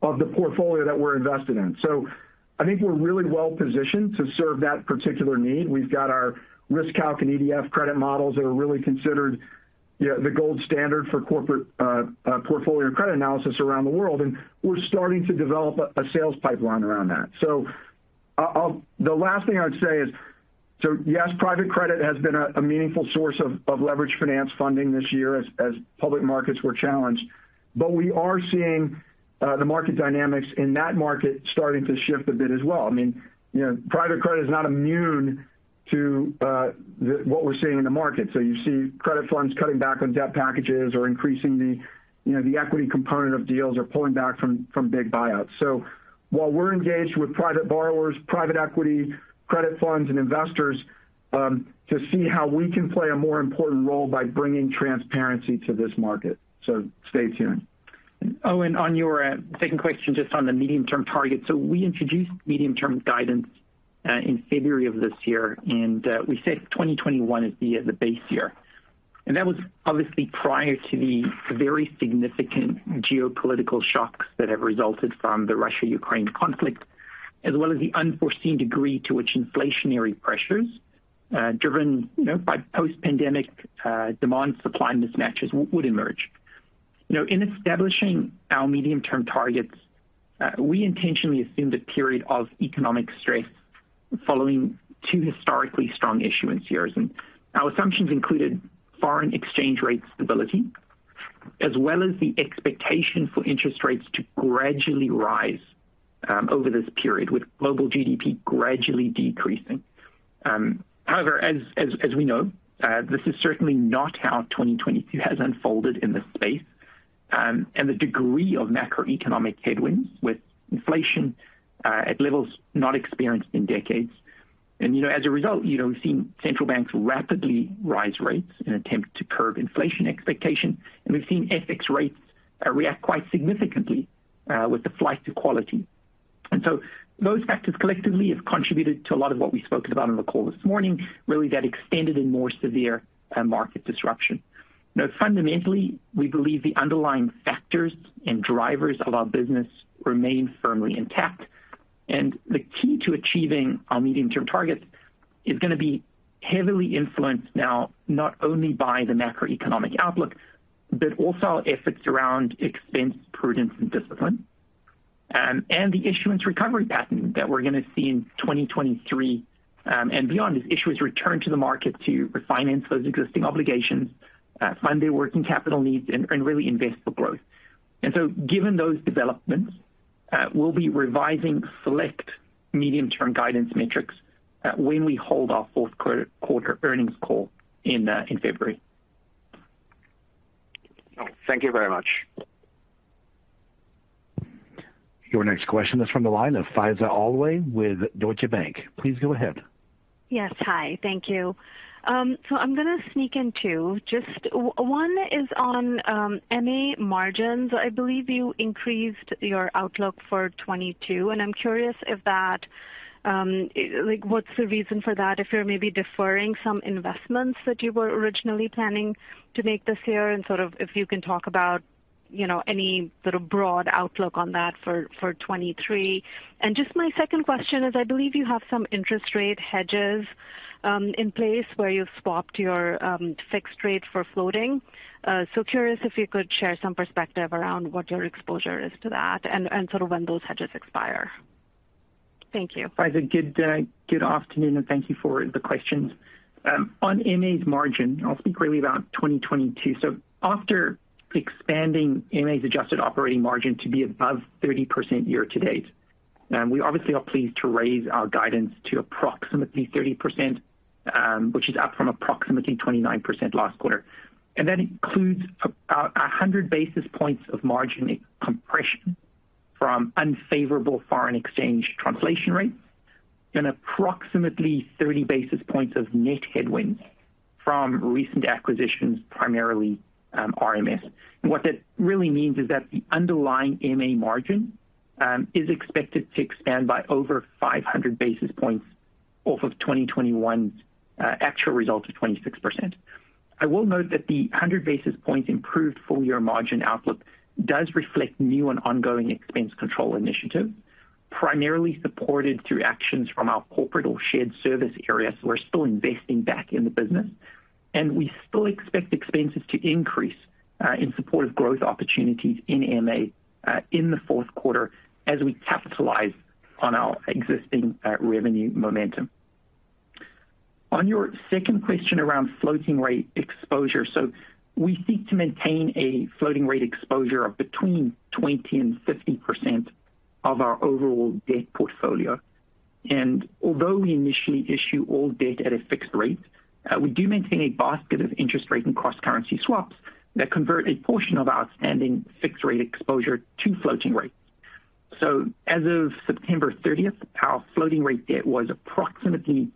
of the portfolio that we're invested in." I think we're really well-positioned to serve that particular need. We've got our RiskCalc and EDF credit models that are really considered, you know, the gold standard for corporate portfolio credit analysis around the world, and we're starting to develop a sales pipeline around that. The last thing I would say is, yes, private credit has been a meaningful source of leverage finance funding this year as public markets were challenged, but we are seeing the market dynamics in that market starting to shift a bit as well. I mean, you know, private credit is not immune to what we're seeing in the market. You see credit funds cutting back on debt packages or increasing, you know, the equity component of deals or pulling back from big buyouts. While we're engaged with private borrowers, private equity, credit funds and investors to see how we can play a more important role by bringing transparency to this market. Stay tuned. Owen, on your second question, just on the medium-term target. We introduced medium-term guidance in February of this year, and we said 2021 is the base year. That was obviously prior to the very significant geopolitical shocks that have resulted from the Russia-Ukraine conflict, as well as the unforeseen degree to which inflationary pressures, driven, you know, by post-pandemic demand supply mismatches would emerge. You know, in establishing our medium-term targets, we intentionally assumed a period of economic stress following two historically strong issuance years. Our assumptions included foreign exchange rate stability as well as the expectation for interest rates to gradually rise over this period, with global GDP gradually decreasing. However, as we know, this is certainly not how 2022 has unfolded in this space, and the degree of macroeconomic headwinds, with inflation at levels not experienced in decades. You know, as a result, you know, we've seen central banks rapidly raise rates in an attempt to curb inflation expectation, and we've seen FX rates react quite significantly with the flight to quality. Those factors collectively have contributed to a lot of what we spoke about on the call this morning, really that extended and more severe market disruption. Now, fundamentally, we believe the underlying factors and drivers of our business remain firmly intact. The key to achieving our medium-term targets is gonna be heavily influenced now, not only by the macroeconomic outlook, but also efforts around expense prudence and discipline, and the issuance recovery pattern that we're gonna see in 2023, and beyond as issuers return to the market to refinance those existing obligations, fund their working capital needs and really invest for growth. Given those developments, we'll be revising select medium-term guidance metrics, when we hold our fourth quarter earnings call in February. Thank you very much. Your next question is from the line of Faiza Alwy with Deutsche Bank. Please go ahead. Yes. Hi. Thank you. So I'm gonna sneak in two. Just one is on MA margins. I believe you increased your outlook for 2022, and I'm curious if that, like, what's the reason for that, if you're maybe deferring some investments that you were originally planning to make this year and sort of if you can talk about, you know, any sort of broad outlook on that for 2023. Just my second question is, I believe you have some interest rate hedges in place where you've swapped your fixed rate for floating. So curious if you could share some perspective around what your exposure is to that and sort of when those hedges expire. Thank you. Faiza, good afternoon, and thank you for the questions. On MA's margin, I'll speak really about 2022. After expanding MA's adjusted operating margin to be above 30% year-to-date, we obviously are pleased to raise our guidance to approximately 30%, which is up from approximately 29% last quarter. That includes 100 basis points of margin compression from unfavorable foreign exchange translation rates and approximately 30 basis points of net headwinds from recent acquisitions, primarily RMS. What that really means is that the underlying MA margin is expected to expand by over 500 basis points off of 2021's actual result of 26%. I will note that the 100 basis points improved full year margin outlook does reflect new and ongoing expense control initiatives, primarily supported through actions from our corporate or shared service areas. We're still investing back in the business, and we still expect expenses to increase in support of growth opportunities in MA in the fourth quarter as we capitalize on our existing revenue momentum. On your second question around floating rate exposure, we seek to maintain a floating rate exposure of between 20%-50% of our overall debt portfolio. Although we initially issue all debt at a fixed rate, we do maintain a basket of interest rate and cross-currency swaps that convert a portion of our outstanding fixed rate exposure to floating rates. As of September 30th, our floating rate debt was approximately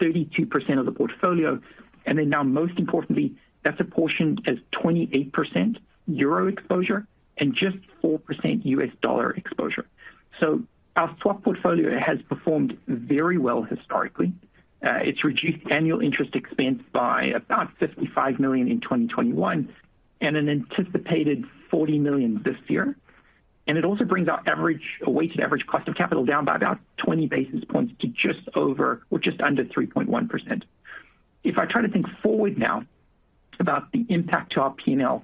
32% of the portfolio. Most importantly, that's apportioned as 28% euro exposure and just 4% U.S. dollar exposure. Our swap portfolio has performed very well historically. It's reduced annual interest expense by about $55 million in 2021 and an anticipated $40 million this year. It also brings our weighted average cost of capital down by about 20 basis points to just over or just under 3.1%. If I try to think forward now about the impact to our P&L,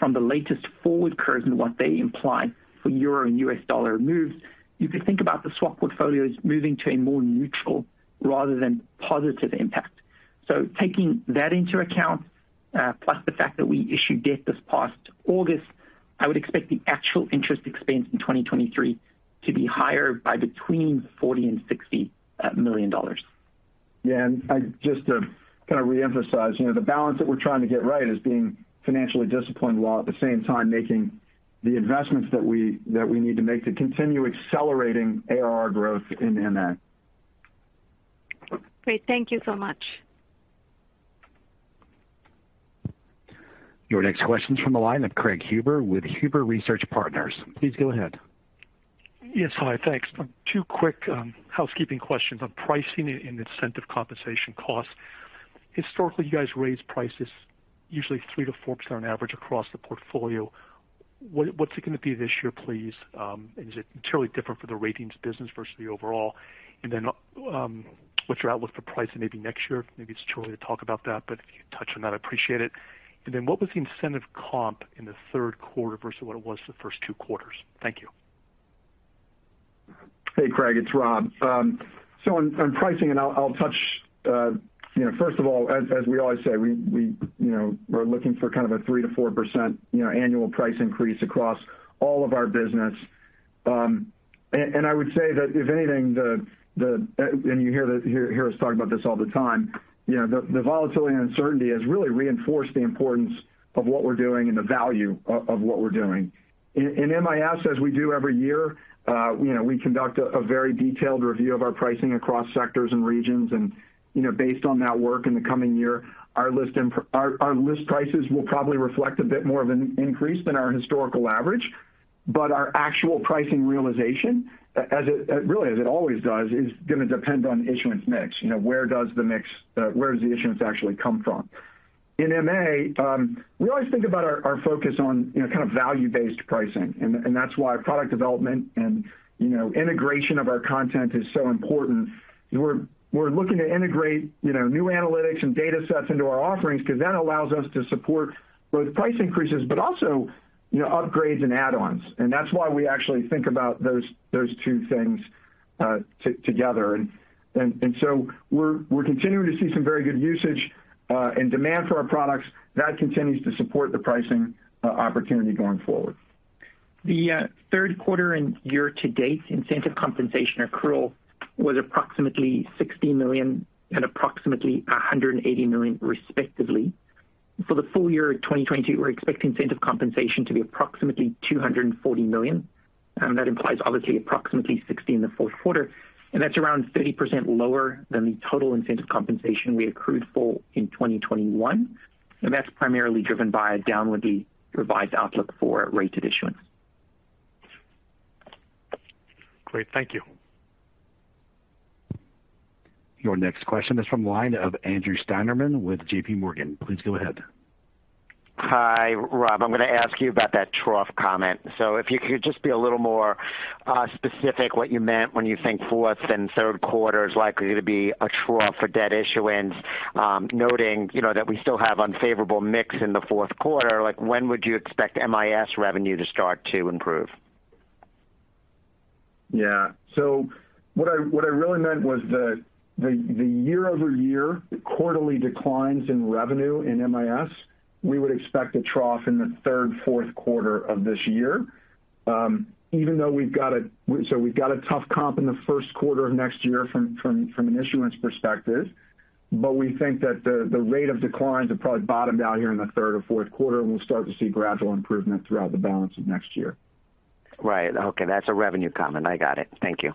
from the latest forward curves and what they imply for euro and U.S. dollar moves, you could think about the swap portfolio as moving to a more neutral rather than positive impact. Taking that into account, plus the fact that we issued debt this past August, I would expect the actual interest expense in 2023 to be higher by between $40 million and $60 million. Yeah. Just to kind of reemphasize, you know, the balance that we're trying to get right is being financially disciplined while at the same time making the investments that we need to make to continue accelerating ARR growth in MA. Great. Thank you so much. Your next question's from the line of Craig Huber with Huber Research Partners. Please go ahead. Yes. Hi, thanks. Two quick housekeeping questions on pricing and incentive compensation costs. Historically, you guys raise prices usually 3%-4% on average across the portfolio. What's it gonna be this year, please? And is it materially different for the ratings business versus the overall? What's your outlook for pricing maybe next year? Maybe it's too early to talk about that, but if you touch on that, I'd appreciate it. What was the incentive comp in the third quarter versus what it was the first two quarters? Thank you. Hey, Craig, it's Rob. On pricing and I'll touch you know first of all, as we always say, you know we're looking for kind of a 3%-4% you know annual price increase across all of our business. I would say that if anything, you hear us talk about this all the time. You know, the volatility and uncertainty has really reinforced the importance of what we're doing and the value of what we're doing. In MIS as we do every year you know we conduct a very detailed review of our pricing across sectors and regions. You know, based on that work in the coming year, our list prices will probably reflect a bit more of an increase than our historical average. Our actual pricing realization, as it always does, is gonna depend on issuance mix. You know, where does the issuance actually come from? In MA, we always think about our focus on, you know, kind of value-based pricing. That's why product development and, you know, integration of our content is so important. We're looking to integrate, you know, new analytics and data sets into our offerings 'cause that allows us to support both price increases, but also, you know, upgrades and add-ons. That's why we actually think about those two things together. We're continuing to see some very good usage and demand for our products. That continues to support the pricing opportunity going forward. The third quarter and year-to-date incentive compensation accrual was approximately $60 million and approximately $180 million respectively. For the full year 2022, we're expecting incentive compensation to be approximately $240 million, and that implies obviously approximately $60 million in the fourth quarter. That's around 30% lower than the total incentive compensation we accrued for in 2021. That's primarily driven by a downwardly revised outlook for rated issuance. Great. Thank you. Your next question is from the line of Andrew Steinerman with JPMorgan. Please go ahead. Hi, Rob. I'm gonna ask you about that trough comment. If you could just be a little more specific what you meant when you think fourth and third quarter is likely to be a trough for debt issuance, noting, you know, that we still have unfavorable mix in the fourth quarter. Like, when would you expect MIS revenue to start to improve? Yeah. What I really meant was the year-over-year quarterly declines in revenue in MIS. We would expect a trough in the third or fourth quarter of this year. Even though we've got a tough comp in the first quarter of next year from an issuance perspective. We think that the rate of declines have probably bottomed out here in the third or fourth quarter, and we'll start to see gradual improvement throughout the balance of next year. Right. Okay. That's a revenue comment. I got it. Thank you.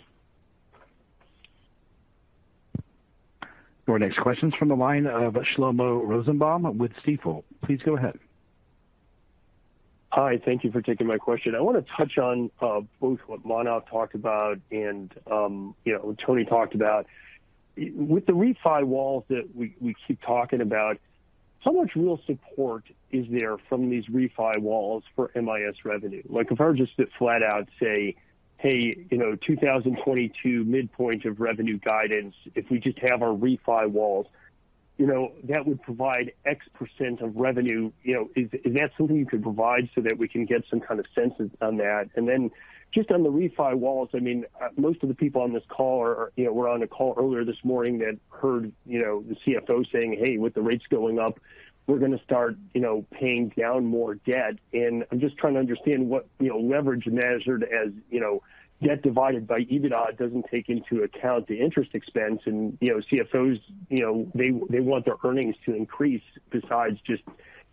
Your next question's from the line of Shlomo Rosenbaum with Stifel. Please go ahead. Hi. Thank you for taking my question. I wanna touch on both what Manav talked about and, you know, Toni talked about. With the refi walls that we keep talking about, how much real support is there from these refi walls for MIS revenue? Like, if I were just to flat out say, "Hey, you know, 2022 midpoint of revenue guidance, if we just have our refi walls, you know, that would provide X percent of revenue." You know, is that something you could provide so that we can get some kind of sense on that? Just on the refi walls, I mean, most of the people on this call are you know, were on a call earlier this morning that heard you know, the CFO saying, "Hey, with the rates going up, we're gonna start you know, paying down more debt." I'm just trying to understand what you know, leverage measured as you know, debt divided by EBITDA doesn't take into account the interest expense. You know, CFOs you know, they want their earnings to increase besides just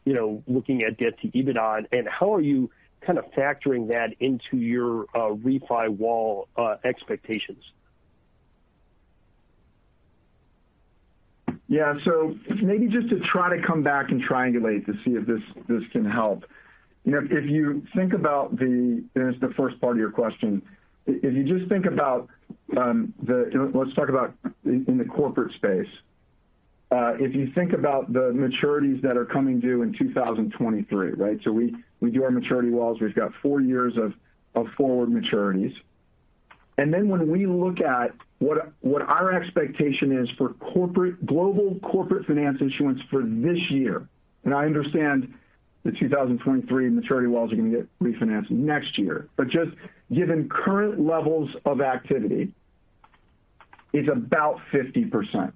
you know, looking at debt-to-EBITDA. How are you kind of factoring that into your refi wall expectations? Yeah. Maybe just to try to come back and triangulate to see if this can help. You know, if you think about, there's the first part of your question. If you just think about, let's talk about in the corporate space. If you think about the maturities that are coming due in 2023, right? We do our maturity walls. We've got four years of forward maturities. Then when we look at what our expectation is for corporate global corporate finance issuance for this year, and I understand the 2023 maturity walls are gonna get refinanced next year. But just given current levels of activity is about 50%.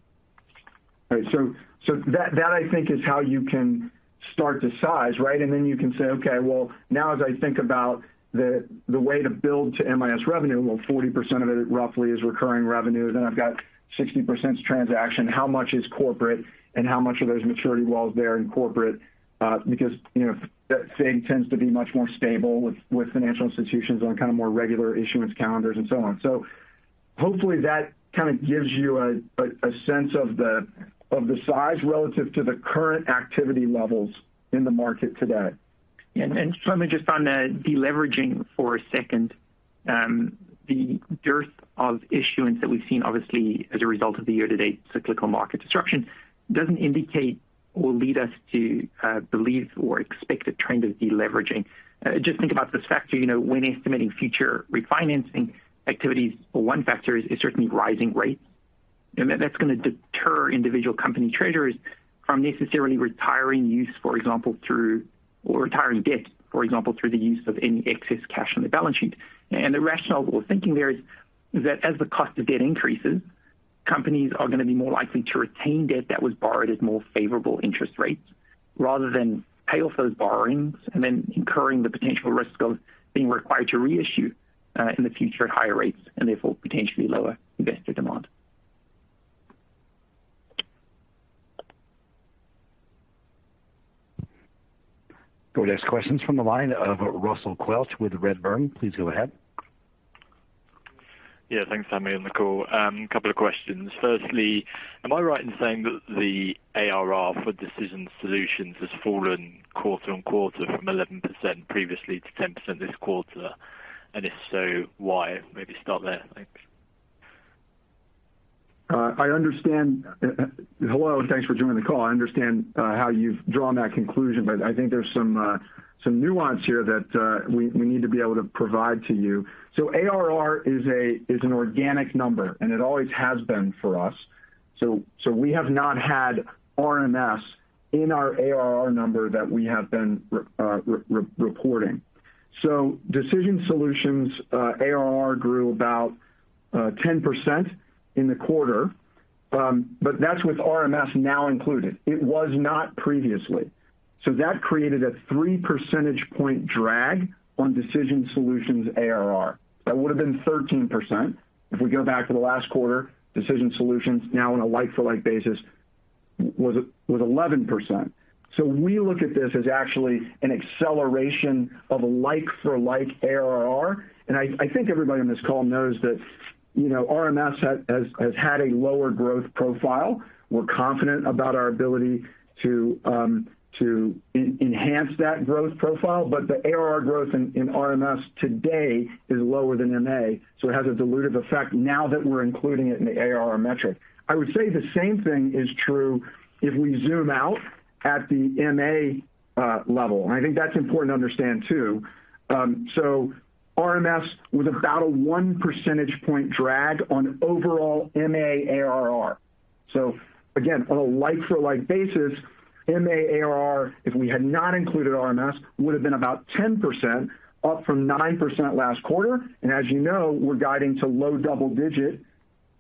Right? That I think is how you can start to size, right? Then you can say, "Okay, well, now as I think about the way to build to MIS revenue, well, 40% of it roughly is recurring revenue. Then I've got 60% is transaction. How much is corporate, and how much of those maturity walls there in corporate?" Because, you know, that thing tends to be much more stable with financial institutions on kind of more regular issuance calendars and so on. Hopefully that kind of gives you a sense of the size relative to the current activity levels in the market today. Let me just on the deleveraging for a second. The dearth of issuance that we've seen, obviously, as a result of the year-to-date cyclical market disruption doesn't indicate or lead us to believe or expect a trend of deleveraging. Just think about this factor, you know, when estimating future refinancing activities, one factor is certainly rising rates. That's gonna deter individual company treasurers from necessarily retiring debt, for example, through the use of any excess cash on the balance sheet. The rationale for thinking there is that as the cost of debt increases, companies are gonna be more likely to retain debt that was borrowed at more favorable interest rates rather than pay off those borrowings and then incurring the potential risk of being required to reissue in the future at higher rates and therefore potentially lower investor demand. Your next question's from the line of Russell Quelch with Redburn. Please go ahead. Yeah, thanks for having me on the call. A couple of questions. First, am I right in saying that the ARR for Decision Solutions has fallen quarter-over-quarter from 11% previously to 10% this quarter? If so, why? Maybe start there. Thanks. I understand. Hello, and thanks for joining the call. I understand how you've drawn that conclusion, but I think there's some nuance here that we need to be able to provide to you. ARR is an organic number, and it always has been for us. We have not had RMS in our ARR number that we have been reporting. Decision Solutions' ARR grew about 10% in the quarter, but that's with RMS now included. It was not previously. That created a three percentage point drag on Decision Solutions' ARR. That would have been 13%. If we go back to the last quarter, Decision Solutions, now on a like-for-like basis, was 11%. We look at this as actually an acceleration of a like for like ARR. I think everybody on this call knows that, you know, RMS has had a lower growth profile. We're confident about our ability to enhance that growth profile. The ARR growth in RMS today is lower than MA, so it has a dilutive effect now that we're including it in the ARR metric. I would say the same thing is true if we zoom out at the MA level, and I think that's important to understand too. RMS was about a one percentage point drag on overall MA ARR. Again, on a like for like basis, MA ARR, if we had not included RMS, would have been about 10%, up from 9% last quarter. As you know, we're guiding to low double digit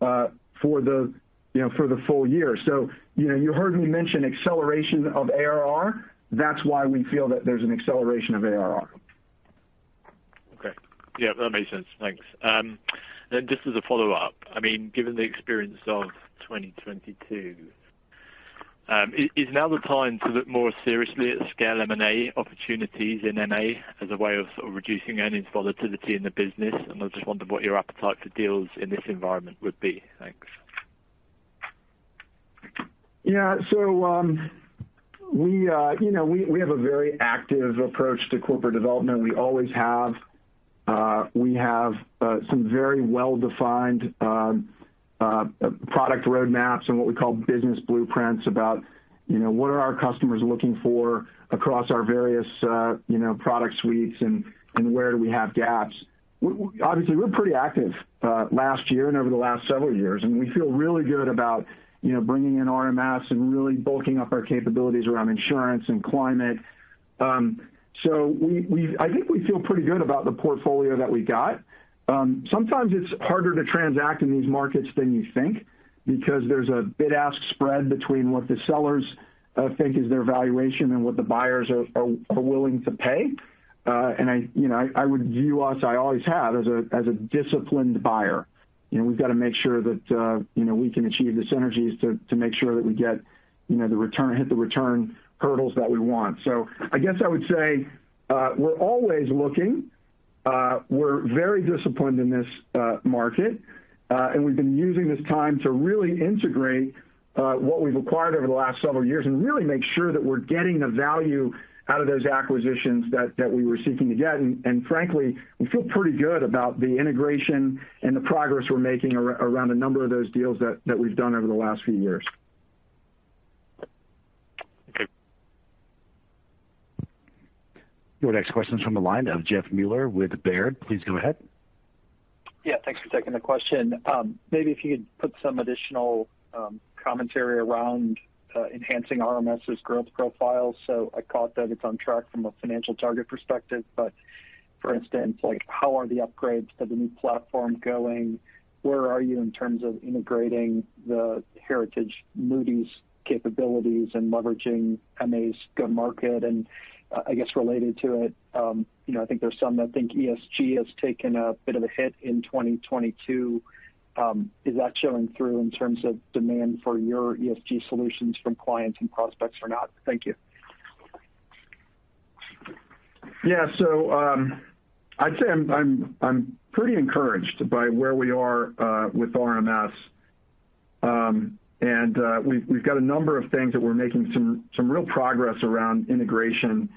for the full year. you know, you heard me mention acceleration of ARR. That's why we feel that there's an acceleration of ARR. Okay. Yeah, that makes sense. Thanks. Just as a follow-up, I mean, given the experience of 2022, is now the time to look more seriously at scale M&A opportunities in MA as a way of sort of reducing earnings volatility in the business? I just wondered what your appetite for deals in this environment would be. Thanks. Yeah, we have a very active approach to corporate development. We always have. We have some very well-defined product roadmaps and what we call business blueprints about, you know, what our customers are looking for across our various product suites and where we have gaps. We're obviously pretty active last year and over the last several years, and we feel really good about, you know, bringing in RMS and really bulking up our capabilities around insurance and climate. We think we feel pretty good about the portfolio that we got. Sometimes it's harder to transact in these markets than you think because there's a bid-ask spread between what the sellers think is their valuation and what the buyers are willing to pay. You know, I would view us, I always have, as a disciplined buyer. You know, we've got to make sure that you know, we can achieve the synergies to make sure that we get you know, the return hurdles that we want. I guess I would say, we're always looking. We're very disciplined in this market, and we've been using this time to really integrate what we've acquired over the last several years and really make sure that we're getting the value out of those acquisitions that we were seeking to get. Frankly, we feel pretty good about the integration and the progress we're making around a number of those deals that we've done over the last few years. Okay. Your next question's from the line of Jeff Meuler with Baird. Please go ahead. Yeah, thanks for taking the question. Maybe if you could put some additional commentary around enhancing RMS's growth profile. So I caught that it's on track from a financial target perspective, but for instance, like, how are the upgrades for the new platform going? Where are you in terms of integrating the heritage Moody's capabilities and leveraging MA's go-to-market? And I guess related to it, you know, I think there's some that think ESG has taken a bit of a hit in 2022. Is that showing through in terms of demand for your ESG solutions from clients and prospects or not? Thank you. Yeah. I'd say I'm pretty encouraged by where we are with RMS. We've got a number of things that we're making some real progress around integration.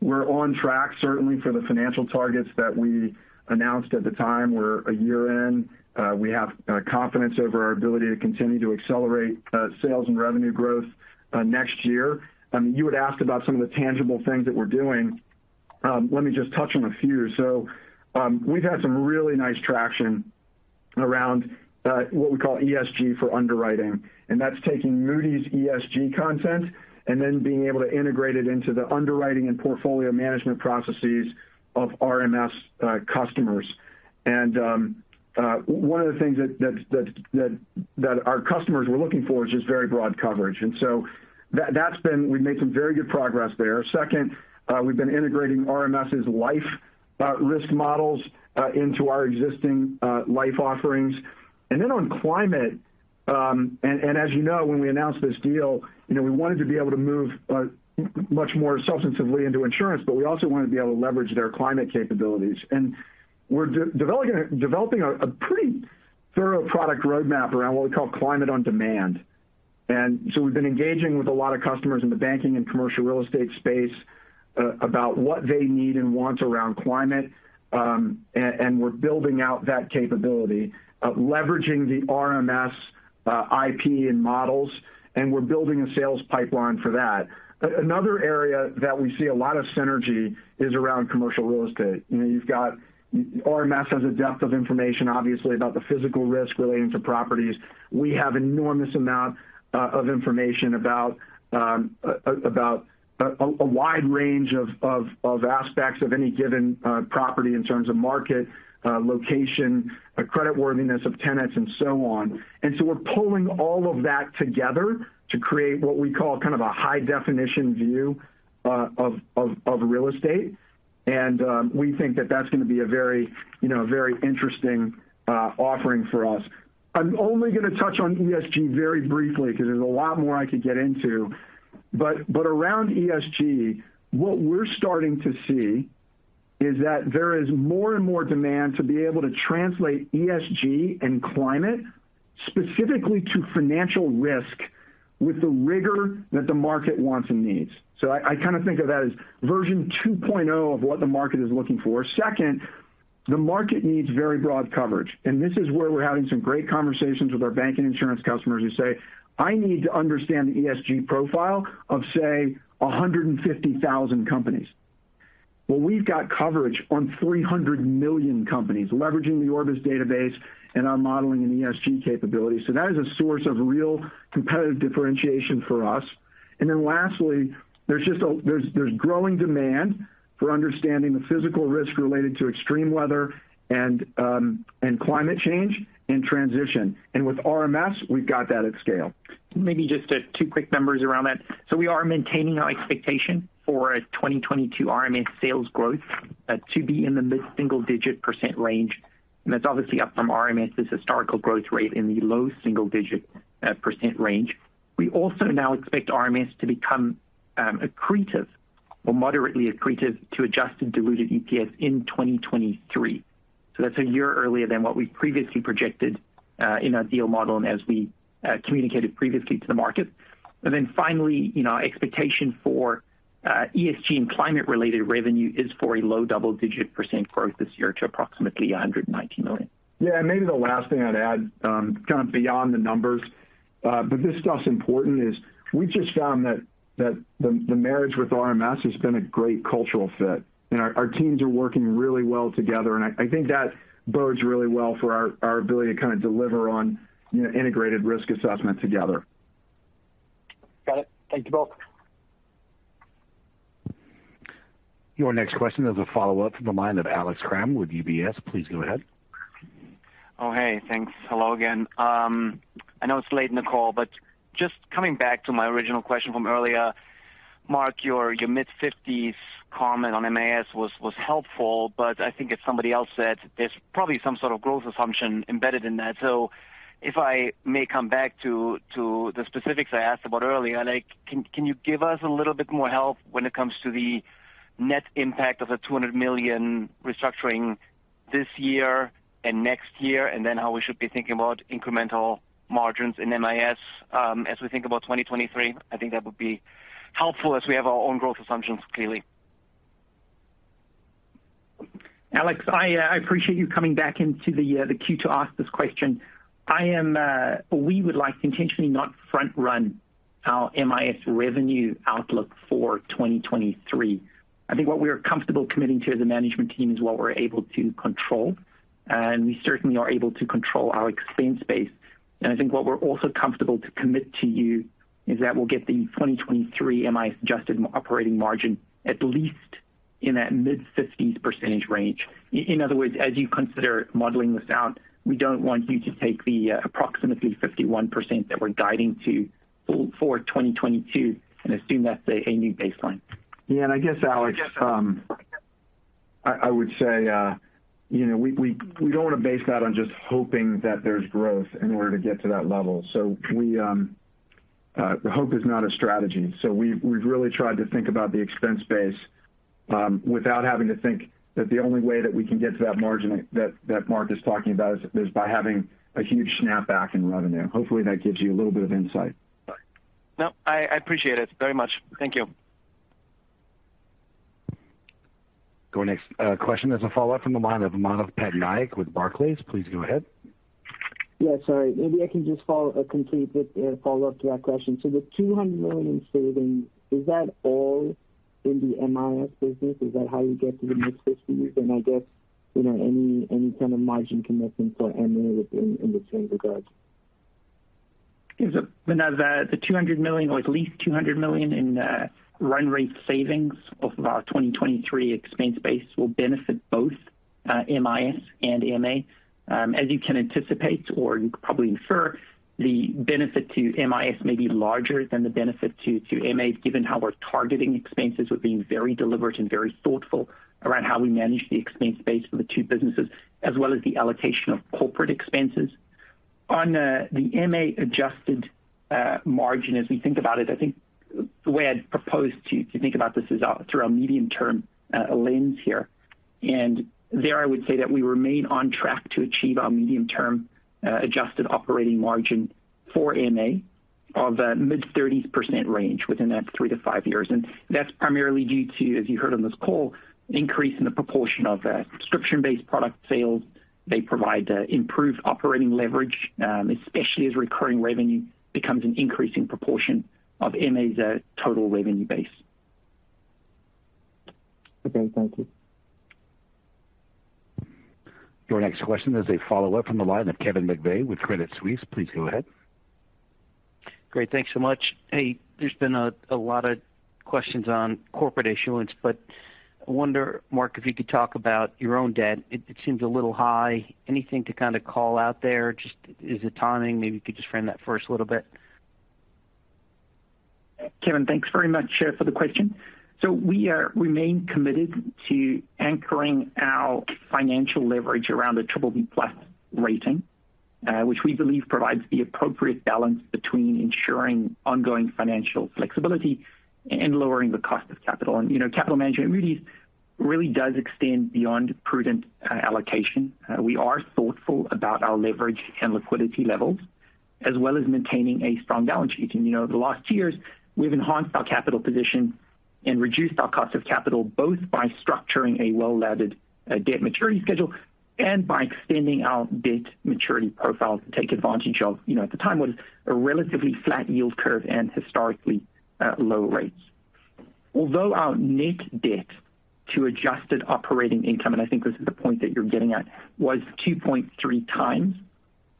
We're on track certainly for the financial targets that we announced at the time. We're a year in, we have confidence over our ability to continue to accelerate sales and revenue growth next year. You had asked about some of the tangible things that we're doing. Let me just touch on a few. We've had some really nice traction around what we call ESG for underwriting, and that's taking Moody's ESG content and then being able to integrate it into the underwriting and portfolio management processes of RMS customers. One of the things that our customers were looking for is just very broad coverage. That's been. We've made some very good progress there. Second, we've been integrating RMS' life risk models into our existing life offerings. On climate, as you know, when we announced this deal, you know, we wanted to be able to move much more substantively into insurance, but we also wanted to be able to leverage their climate capabilities. We're developing a pretty thorough product roadmap around what we call Climate on Demand. We've been engaging with a lot of customers in the banking and commercial real estate space about what they need and want around climate. We're building out that capability, leveraging the RMS IP and models, and we're building a sales pipeline for that. Another area that we see a lot of synergy is around commercial real estate. You know, you've got RMS has a depth of information, obviously, about the physical risk relating to properties. We have enormous amount of information about a wide range of aspects of any given property in terms of market, location, creditworthiness of tenants and so on. We're pulling all of that together to create what we call kind of a high definition view of real estate. We think that that's gonna be a very, you know, very interesting offering for us. I'm only gonna touch on ESG very briefly 'cause there's a lot more I could get into. Around ESG, what we're starting to see is that there is more and more demand to be able to translate ESG and climate specifically to financial risk with the rigor that the market wants and needs. I kind of think of that as version 2.0 of what the market is looking for. Second, the market needs very broad coverage, and this is where we're having some great conversations with our bank and insurance customers who say, "I need to understand the ESG profile of, say, 150,000 companies." Well, we've got coverage on 300 million companies leveraging the Orbis database and our modeling and ESG capabilities. That is a source of real competitive differentiation for us. There's just growing demand for understanding the physical risk related to extreme weather and climate change and transition. With RMS, we've got that at scale. Maybe just two quick numbers around that. We are maintaining our expectation for a 2022 RMS sales growth to be in the mid-single-digit percent range, and that's obviously up from RMS's historical growth rate in the low single-digit percent range. We also now expect RMS to become accretive or moderately accretive to adjusted diluted EPS in 2023. That's a year earlier than what we previously projected in our deal model and as we communicated previously to the market. Finally, you know, expectation for ESG and climate related revenue is for a low double-digit percent growth this year to approximately $119 million. Yeah. Maybe the last thing I'd add, kind of beyond the numbers, but this stuff's important, is we've just found that the marriage with RMS has been a great cultural fit, and our teams are working really well together. I think that bodes really well for our ability to kind of deliver on, you know, integrated risk assessment together. Got it. Thank you both. Your next question is a follow-up from the line of Alex Kramm with UBS. Please go ahead. Oh, hey, thanks. Hello again. I know it's late in the call, but just coming back to my original question from earlier, Mark, your mid-50s comment on MIS was helpful, but I think as somebody else said, there's probably some sort of growth assumption embedded in that. If I may come back to the specifics I asked about earlier, like, can you give us a little bit more help when it comes to the net impact of the $200 million restructuring this year and next year, and then how we should be thinking about incremental margins in MIS, as we think about 2023? I think that would be helpful as we have our own growth assumptions, clearly. Alex, I appreciate you coming back into the queue to ask this question. We would like to intentionally not front run our MIS revenue outlook for 2023. I think what we're comfortable committing to as a management team is what we're able to control, and we certainly are able to control our expense base. I think what we're also comfortable to commit to you is that we'll get the 2023 MIS adjusted operating margin at least in that mid-50s% range. In other words, as you consider modeling this out, we don't want you to take the approximately 51% that we're guiding to for 2022 and assume that's a new baseline. I guess, Alex, I would say, you know, we don't want to base that on just hoping that there's growth in order to get to that level. Hope is not a strategy. We've really tried to think about the expense base without having to think that the only way that we can get to that margin that Mark is talking about is by having a huge snapback in revenue. Hopefully that gives you a little bit of insight. No, I appreciate it very much. Thank you. Our next question is a follow-up from the line of Manav Patnaik with Barclays. Please go ahead. Yeah, sorry. Maybe I can just follow-up to that question. The $200 million savings, is that all in the MIS business? Is that how you get to the mid-50s? I guess any kind of margin commitment for MA in the same regard. Manav, $200 million or at least $200 million in run rate savings off of our 2023 expense base will benefit both MIS and MA. As you can anticipate or you can probably infer, the benefit to MIS may be larger than the benefit to MA given how we're targeting expenses. We're being very deliberate and very thoughtful around how we manage the expense base for the two businesses as well as the allocation of corporate expenses. On the MA adjusted margin as we think about it, I think the way I'd propose to think about this is through our medium-term lens here. There I would say that we remain on track to achieve our medium-term adjusted operating margin for MA of a mid-30s% range within that three-five years. That's primarily due to, as you heard on this call, increase in the proportion of subscription-based product sales. They provide improved operating leverage, especially as recurring revenue becomes an increasing proportion of MA's total revenue base. Okay, thank you. Your next question is a follow-up from the line of Kevin McVeigh with Credit Suisse. Please go ahead. Great. Thanks so much. Hey, there's been a lot of questions on corporate issuance, but I wonder, Mark, if you could talk about your own debt. It seems a little high. Anything to kind of call out there? Just, is it timing? Maybe you could just frame that for us a little bit. Kevin, thanks very much for the question. We remain committed to anchoring our financial leverage around the BBB+ rating, which we believe provides the appropriate balance between ensuring ongoing financial flexibility and lowering the cost of capital. You know, capital management really does extend beyond prudent allocation. We are thoughtful about our leverage and liquidity levels as well as maintaining a strong balance sheet. You know over the last years, we've enhanced our capital position and reduced our cost of capital, both by structuring a well-laddered debt maturity schedule and by extending our debt maturity profile to take advantage of, you know, at the time what was a relatively flat yield curve and historically low rates. Although our net debt to adjusted operating income, and I think this is the point that you're getting at, was 2.3x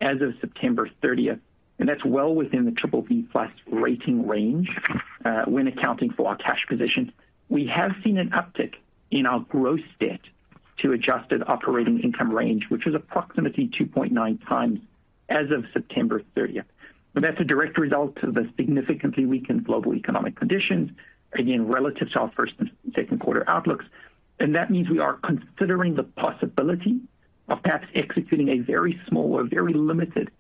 as of September 30th, and that's well within the BBB+ rating range, when accounting for our cash position. We have seen an uptick in our gross debt to adjusted operating income range, which is approximately 2.9x as of September 30th. That means we are considering the possibility of perhaps executing a very small or very limited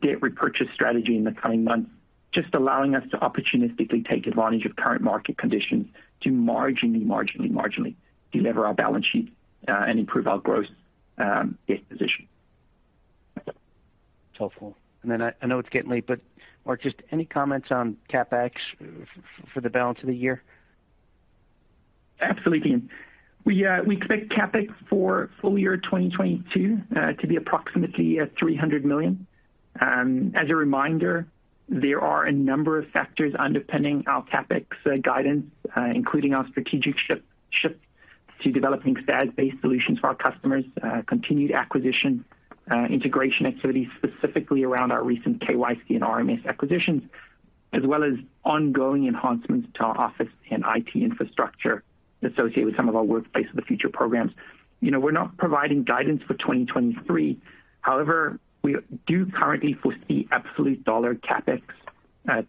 debt repurchase strategy in the coming months, just allowing us to opportunistically take advantage of current market conditions to marginally delever our balance sheet, and improve our gross debt position. It's helpful. I know it's getting late, but Mark, just any comments on CapEx for the balance of the year? Absolutely. We expect CapEx for full year 2022 to be approximately $300 million. As a reminder, there are a number of factors underpinning our CapEx guidance, including our strategic shift to developing SaaS-based solutions for our customers, continued acquisition integration activities specifically around our recent KYC and RMS acquisitions, as well as ongoing enhancements to our office and IT infrastructure associated with some of our Workplace of the Future programs. You know, we're not providing guidance for 2023. However, we do currently foresee absolute dollar CapEx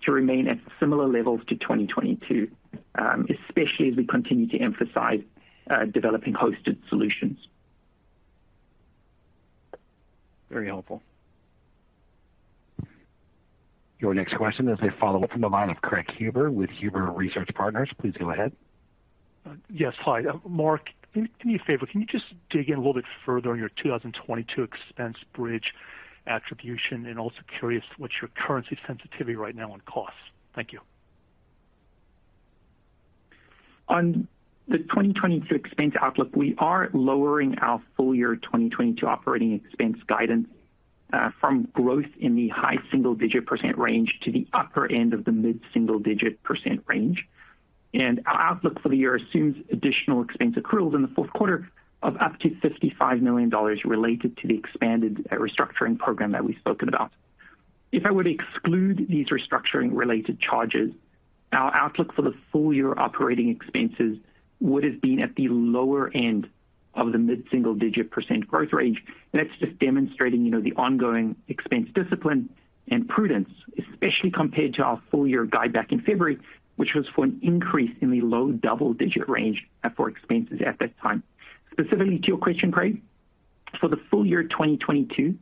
to remain at similar levels to 2022, especially as we continue to emphasize developing hosted solutions. Very helpful. Your next question is a follow-up from the line of Craig Huber with Huber Research Partners. Please go ahead. Yes. Hi, Mark. Do me a favor. Can you just dig in a little bit further on your 2022 expense bridge attribution, and also curious what's your currency sensitivity right now on costs? Thank you. On the 2022 expense outlook, we are lowering our full year 2022 operating expense guidance from growth in the high single-digit percent range to the upper end of the mid single-digit percent range. Our outlook for the year assumes additional expense accruals in the fourth quarter of up to $55 million related to the expanded restructuring program that we've spoken about. If I were to exclude these restructuring related charges, our outlook for the full year operating expenses would have been at the lower end of the mid single-digit percent growth range. That's just demonstrating, you know, the ongoing expense discipline and prudence, especially compared to our full year guide back in February, which was for an increase in the low double-digit range for expenses at that time. Specifically to your question, Craig- For the full year 2022,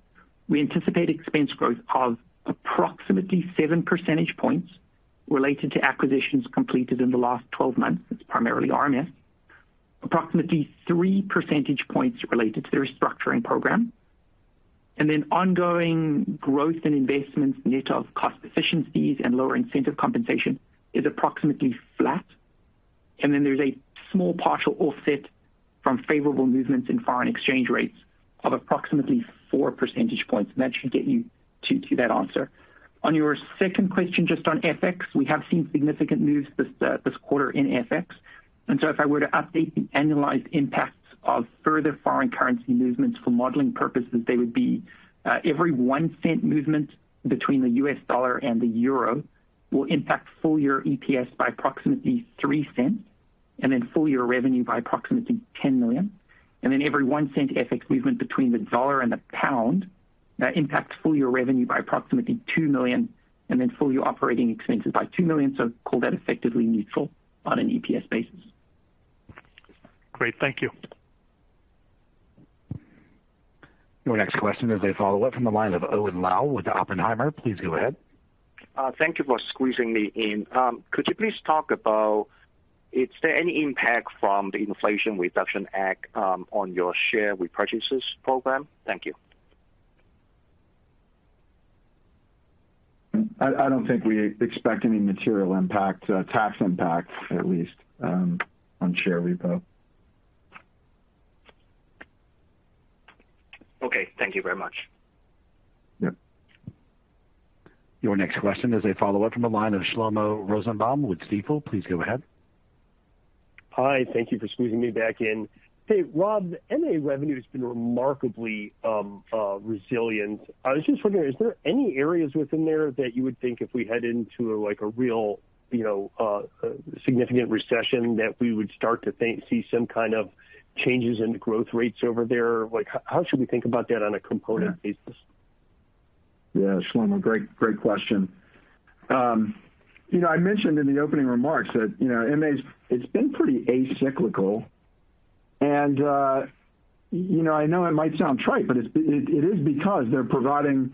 we anticipate expense growth of approximately seven percentage points related to acquisitions completed in the last 12 months. It's primarily RMS. Approximately three percentage points related to the restructuring program, and then ongoing growth in investments net of cost efficiencies and lower incentive compensation is approximately flat. Then there's a small partial offset from favorable movements in foreign exchange rates of approximately four percentage points. That should get you to that answer. On your second question, just on FX, we have seen significant moves this quarter in FX, and so if I were to update the annualized impacts of further foreign currency movements for modeling purposes, they would be every $0.01 movement between the U.S. dollar and the euro will impact full year EPS by approximately $0.03 and then full year revenue by approximately $10 million. Every $0.01 FX movement between the dollar and the pound impacts full year revenue by approximately $2 million, and then full year operating expenses by $2 million. Call that effectively neutral on an EPS basis. Great. Thank you. Your next question is a follow-up from the line of Owen Lau with Oppenheimer. Please go ahead. Thank you for squeezing me in. Could you please talk about is there any impact from the Inflation Reduction Act on your share repurchases program? Thank you. I don't think we expect any material impact, tax impact, at least, on share repo. Okay. Thank you very much. Yep. Your next question is a follow-up from the line of Shlomo Rosenbaum with Stifel. Please go ahead. Hi. Thank you for squeezing me back in. Hey, Rob, MA revenue has been remarkably resilient. I was just wondering, is there any areas within there that you would think if we head into, like, a real, you know, significant recession, that we would start to see some kind of changes in the growth rates over there? Like, how should we think about that on a component basis? Yeah, Shlomo, great question. You know, I mentioned in the opening remarks that, you know, MA's, it's been pretty acyclical and, you know, I know it might sound trite, but it is because they're providing,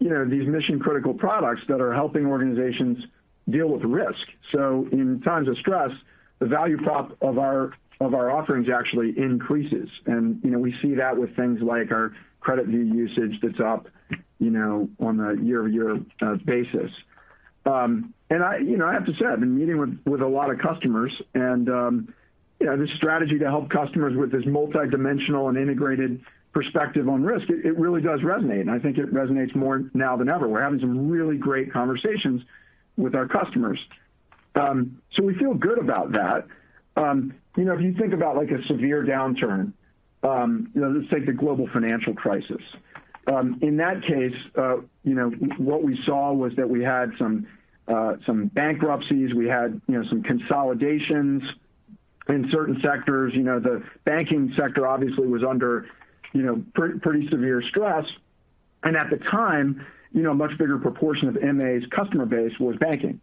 you know, these mission-critical products that are helping organizations deal with risk. In times of stress, the value prop of our offerings actually increases. You know, we see that with things like our CreditView usage that's up, you know, on a year-over-year basis. I you know, I have to say, I've been meeting with a lot of customers and, you know, this strategy to help customers with this multidimensional and integrated perspective on risk, it really does resonate, and I think it resonates more now than ever. We're having some really great conversations with our customers. We feel good about that. You know, if you think about like a severe downturn, you know, let's take the global financial crisis. In that case, you know, what we saw was that we had some bankruptcies. We had, you know, some consolidations in certain sectors. You know, the banking sector obviously was under, you know, pretty severe stress. At the time, you know, a much bigger proportion of MA's customer base was banking.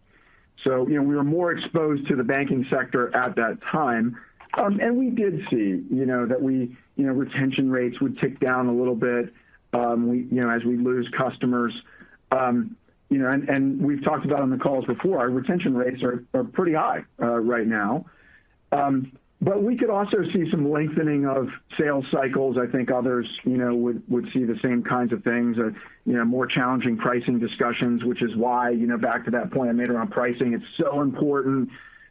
You know, we were more exposed to the banking sector at that time. We did see, you know, that we, you know, retention rates would tick down a little bit, you know, as we lose customers. You know, we've talked about on the calls before, our retention rates are pretty high right now. we could also see some lengthening of sales cycles. I think others, you know, would see the same kinds of things, more challenging pricing discussions, which is why, you know, back to that point I made around pricing, it's so important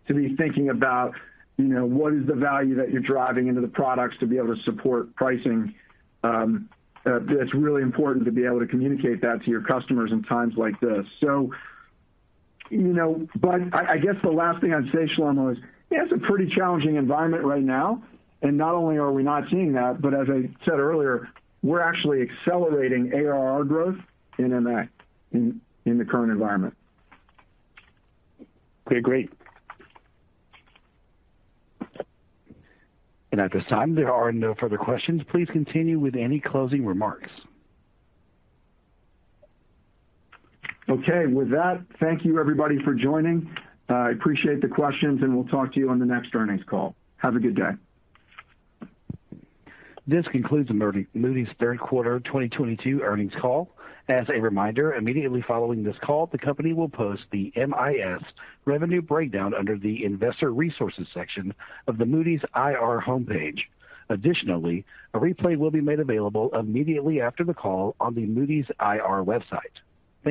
to be thinking about, you know, what is the value that you're driving into the products to be able to support pricing. It's really important to be able to communicate that to your customers in times like this. You know, I guess the last thing I'd say, Shlomo, is it's a pretty challenging environment right now, and not only are we not seeing that, but as I said earlier, we're actually accelerating ARR growth in MA in the current environment. Okay, great. At this time, there are no further questions. Please continue with any closing remarks. Okay. With that, thank you everybody for joining. I appreciate the questions, and we'll talk to you on the next earnings call. Have a good day. This concludes the Moody's third quarter 2022 earnings call. As a reminder, immediately following this call, the company will post the MIS revenue breakdown under the investor resources section of the Moody's IR homepage. Additionally, a replay will be made available immediately after the call on the Moody's IR website.